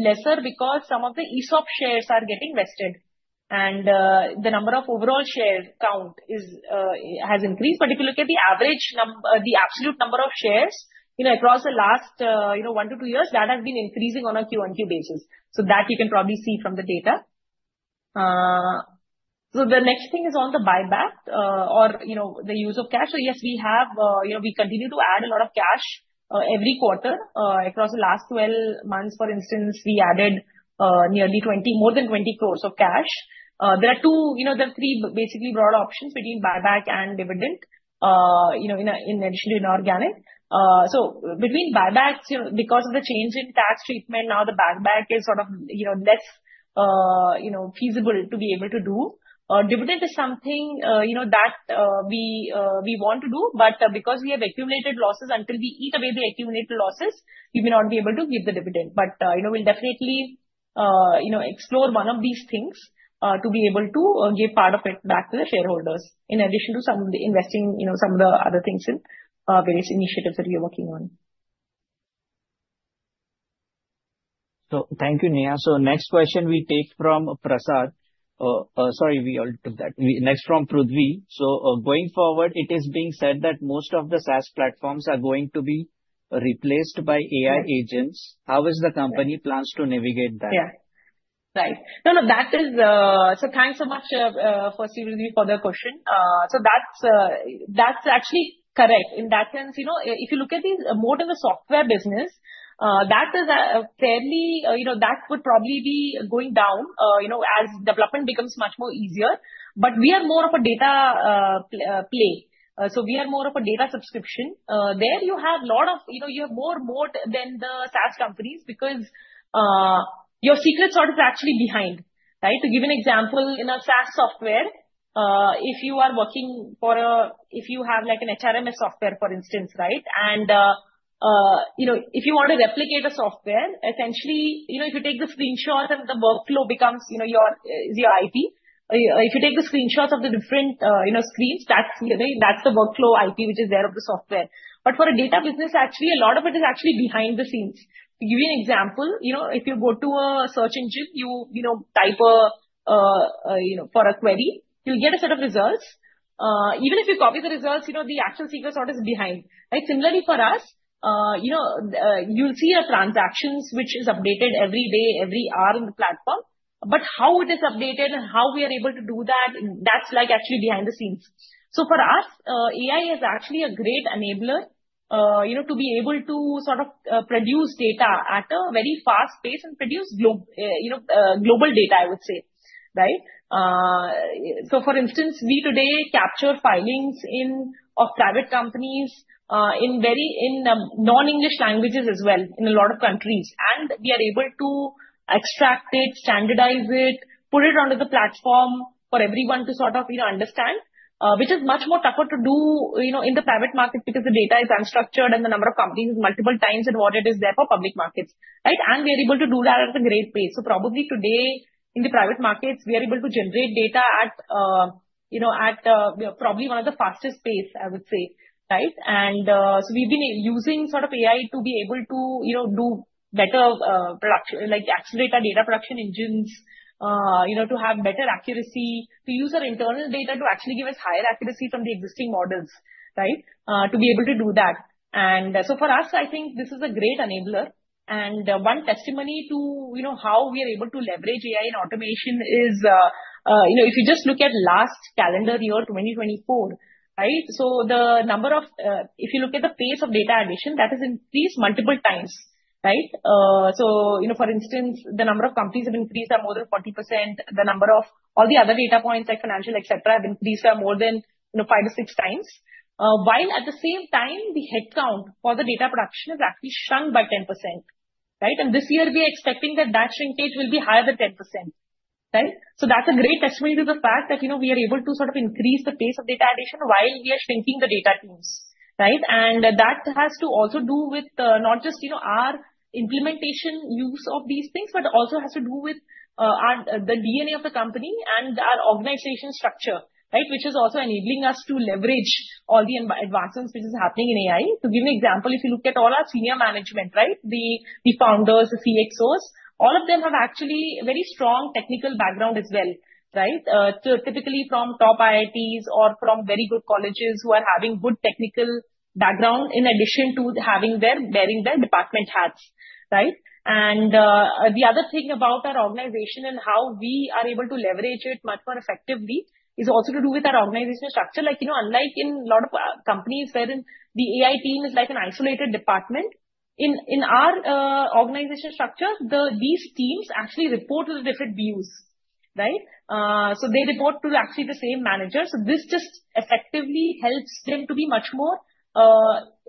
lesser because some of the ESOP shares are getting vested. The number of overall share count has increased. If you look at the absolute number of shares across the last one to two years, that has been increasing on a Q1, Q2 basis. That you can probably see from the data. The next thing is on the buyback or the use of cash. Yes, we continue to add a lot of cash every quarter across the last 12 months. For instance, we added nearly more than 20 crore of cash. There are three basically broad options between buyback and dividend in addition to inorganic. Between buybacks, because of the change in tax treatment, now the buyback is sort of less feasible to be able to do. Dividend is something that we want to do. Because we have accumulated losses, until we eat away the accumulated losses, we may not be able to give the dividend. We'll definitely explore one of these things to be able to give part of it back to the shareholders in addition to investing some of the other things in various initiatives that we are working on. Thank you, Neha. Next question we take from Prashant. Sorry, we already took that. Next from Pridhvi. Going forward, it is being said that most of the SaaS platforms are going to be replaced by AI agents. How is the company planning to navigate that? Yeah, right. No, no, that is, so thanks so much, Pridhvi, for the question. That is actually correct. In that sense, if you look at these, more than the software business, that is fairly, that would probably be going down as development becomes much more easier. We are more of a data play. We are more of a data subscription. There you have a lot of, you have more moat than the SaaS companies because your secret sort of is actually behind. To give you an example, in a SaaS software, if you are working for a, if you have an HRMS software, for instance, and if you want to replicate a software, essentially, if you take the screenshots and the workflow becomes your IP. If you take the screenshots of the different screens, that's the workflow IP, which is there of the software. For a data business, actually, a lot of it is actually behind the scenes. To give you an example, if you go to a search engine, you type for a query, you'll get a set of results. Even if you copy the results, the actual secret sort of is behind. Similarly, for us, you'll see a transaction which is updated every day, every hour in the platform. How it is updated and how we are able to do that, that's actually behind the scenes. For us, AI is actually a great enabler to be able to sort of produce data at a very fast pace and produce global data, I would say. For instance, we today capture filings of private companies in non-English languages as well in a lot of countries. We are able to extract it, standardize it, put it onto the platform for everyone to sort of understand, which is much more tougher to do in the private market because the data is unstructured and the number of companies is multiple times than what it is there for public markets. We are able to do that at a great pace. Probably today, in the private markets, we are able to generate data at probably one of the fastest pace, I would say. We have been using sort of AI to be able to better accelerate our data production engines to have better accuracy, to use our internal data to actually give us higher accuracy from the existing models, to be able to do that. For us, I think this is a great enabler. One testimony to how we are able to leverage AI and automation is if you just look at last calendar year, 2024, the pace of data addition has increased multiple times. For instance, the number of companies has increased by more than 40%. The number of all the other data points like financial, etc., has increased by more than five to six times. At the same time, the headcount for the data production has actually shrunk by 10%. This year, we are expecting that that shrinkage will be higher than 10%. That is a great testimony to the fact that we are able to sort of increase the pace of data addition while we are shrinking the data teams. That has to also do with not just our implementation use of these things, but also has to do with the DNA of the company and our organization structure, which is also enabling us to leverage all the advancements which are happening in AI. To give you an example, if you look at all our senior management, the founders, the CXOs, all of them have actually very strong technical background as well, typically from top IITs or from very good colleges who are having good technical background in addition to bearing their department hats. The other thing about our organization and how we are able to leverage it much more effectively is also to do with our organizational structure. Unlike in a lot of companies where the AI team is like an isolated department, in our organizational structure, these teams actually report with different views. They report to actually the same manager. This just effectively helps them to be much more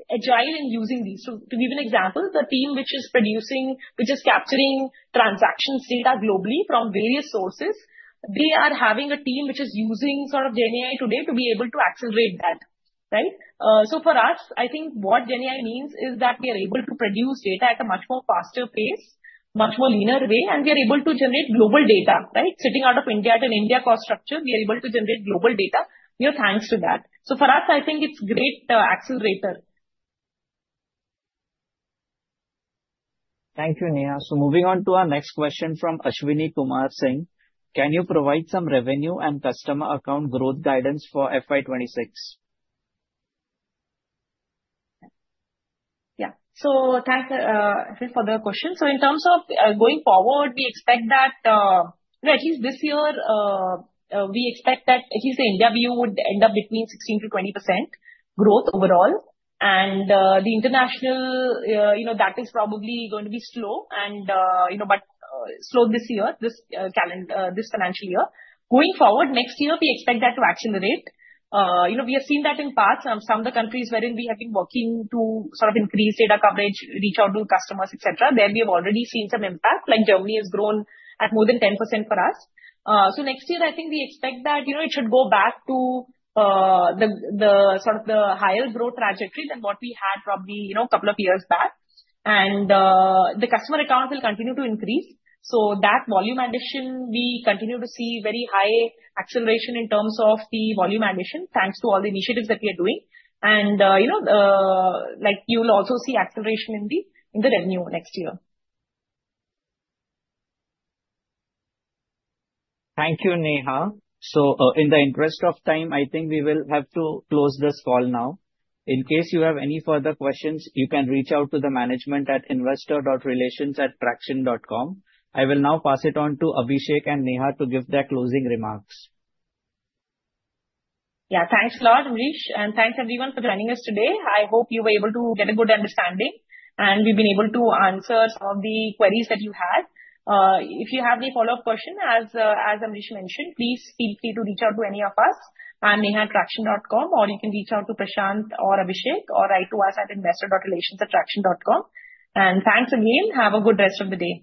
agile in using these. To give you an example, the team which is capturing transactions data globally from various sources, they are having a team which is using sort of GenAI today to be able to accelerate that. For us, I think what GenAI means is that we are able to produce data at a much more faster pace, much more leaner way, and we are able to generate global data. Sitting out of India at an India cost structure, we are able to generate global data thanks to that. For us, I think it's a great accelerator. Thank you, Neha. Moving on to our next question from Ashwini Kumar Singh. Can you provide some revenue and customer account growth guidance for FY 2026? Yeah. Thanks for the question. In terms of going forward, we expect that at least this year, we expect that at least the India view would end up between 16%-20% growth overall. The international, that is probably going to be slow, but slow this year, this financial year. Going forward, next year, we expect that to accelerate. We have seen that in the past. Some of the countries wherein we have been working to sort of increase data coverage, reach out to customers, etc., there we have already seen some impact. Like Germany has grown at more than 10% for us. Next year, I think we expect that it should go back to sort of the higher growth trajectory than what we had probably a couple of years back. The customer account will continue to increase. That volume addition, we continue to see very high acceleration in terms of the volume addition thanks to all the initiatives that we are doing. You will also see acceleration in the revenue next year. Thank you, Neha. In the interest of time, I think we will have to close this call now. In case you have any further questions, you can reach out to the management at investor.relations@tracxn.com. I will now pass it on to Abhishek and Neha to give their closing remarks. Yeah. Thanks a lot, Ambrish. Thanks everyone for joining us today. I hope you were able to get a good understanding and we've been able to answer some of the queries that you had. If you have any follow-up question, as Ambrish mentioned, please feel free to reach out to any of us at neha@tracxn.com, or you can reach out to Prashant or Abhishek or write to us at investor.relations@tracxn.com. Thanks again. Have a good rest of the day.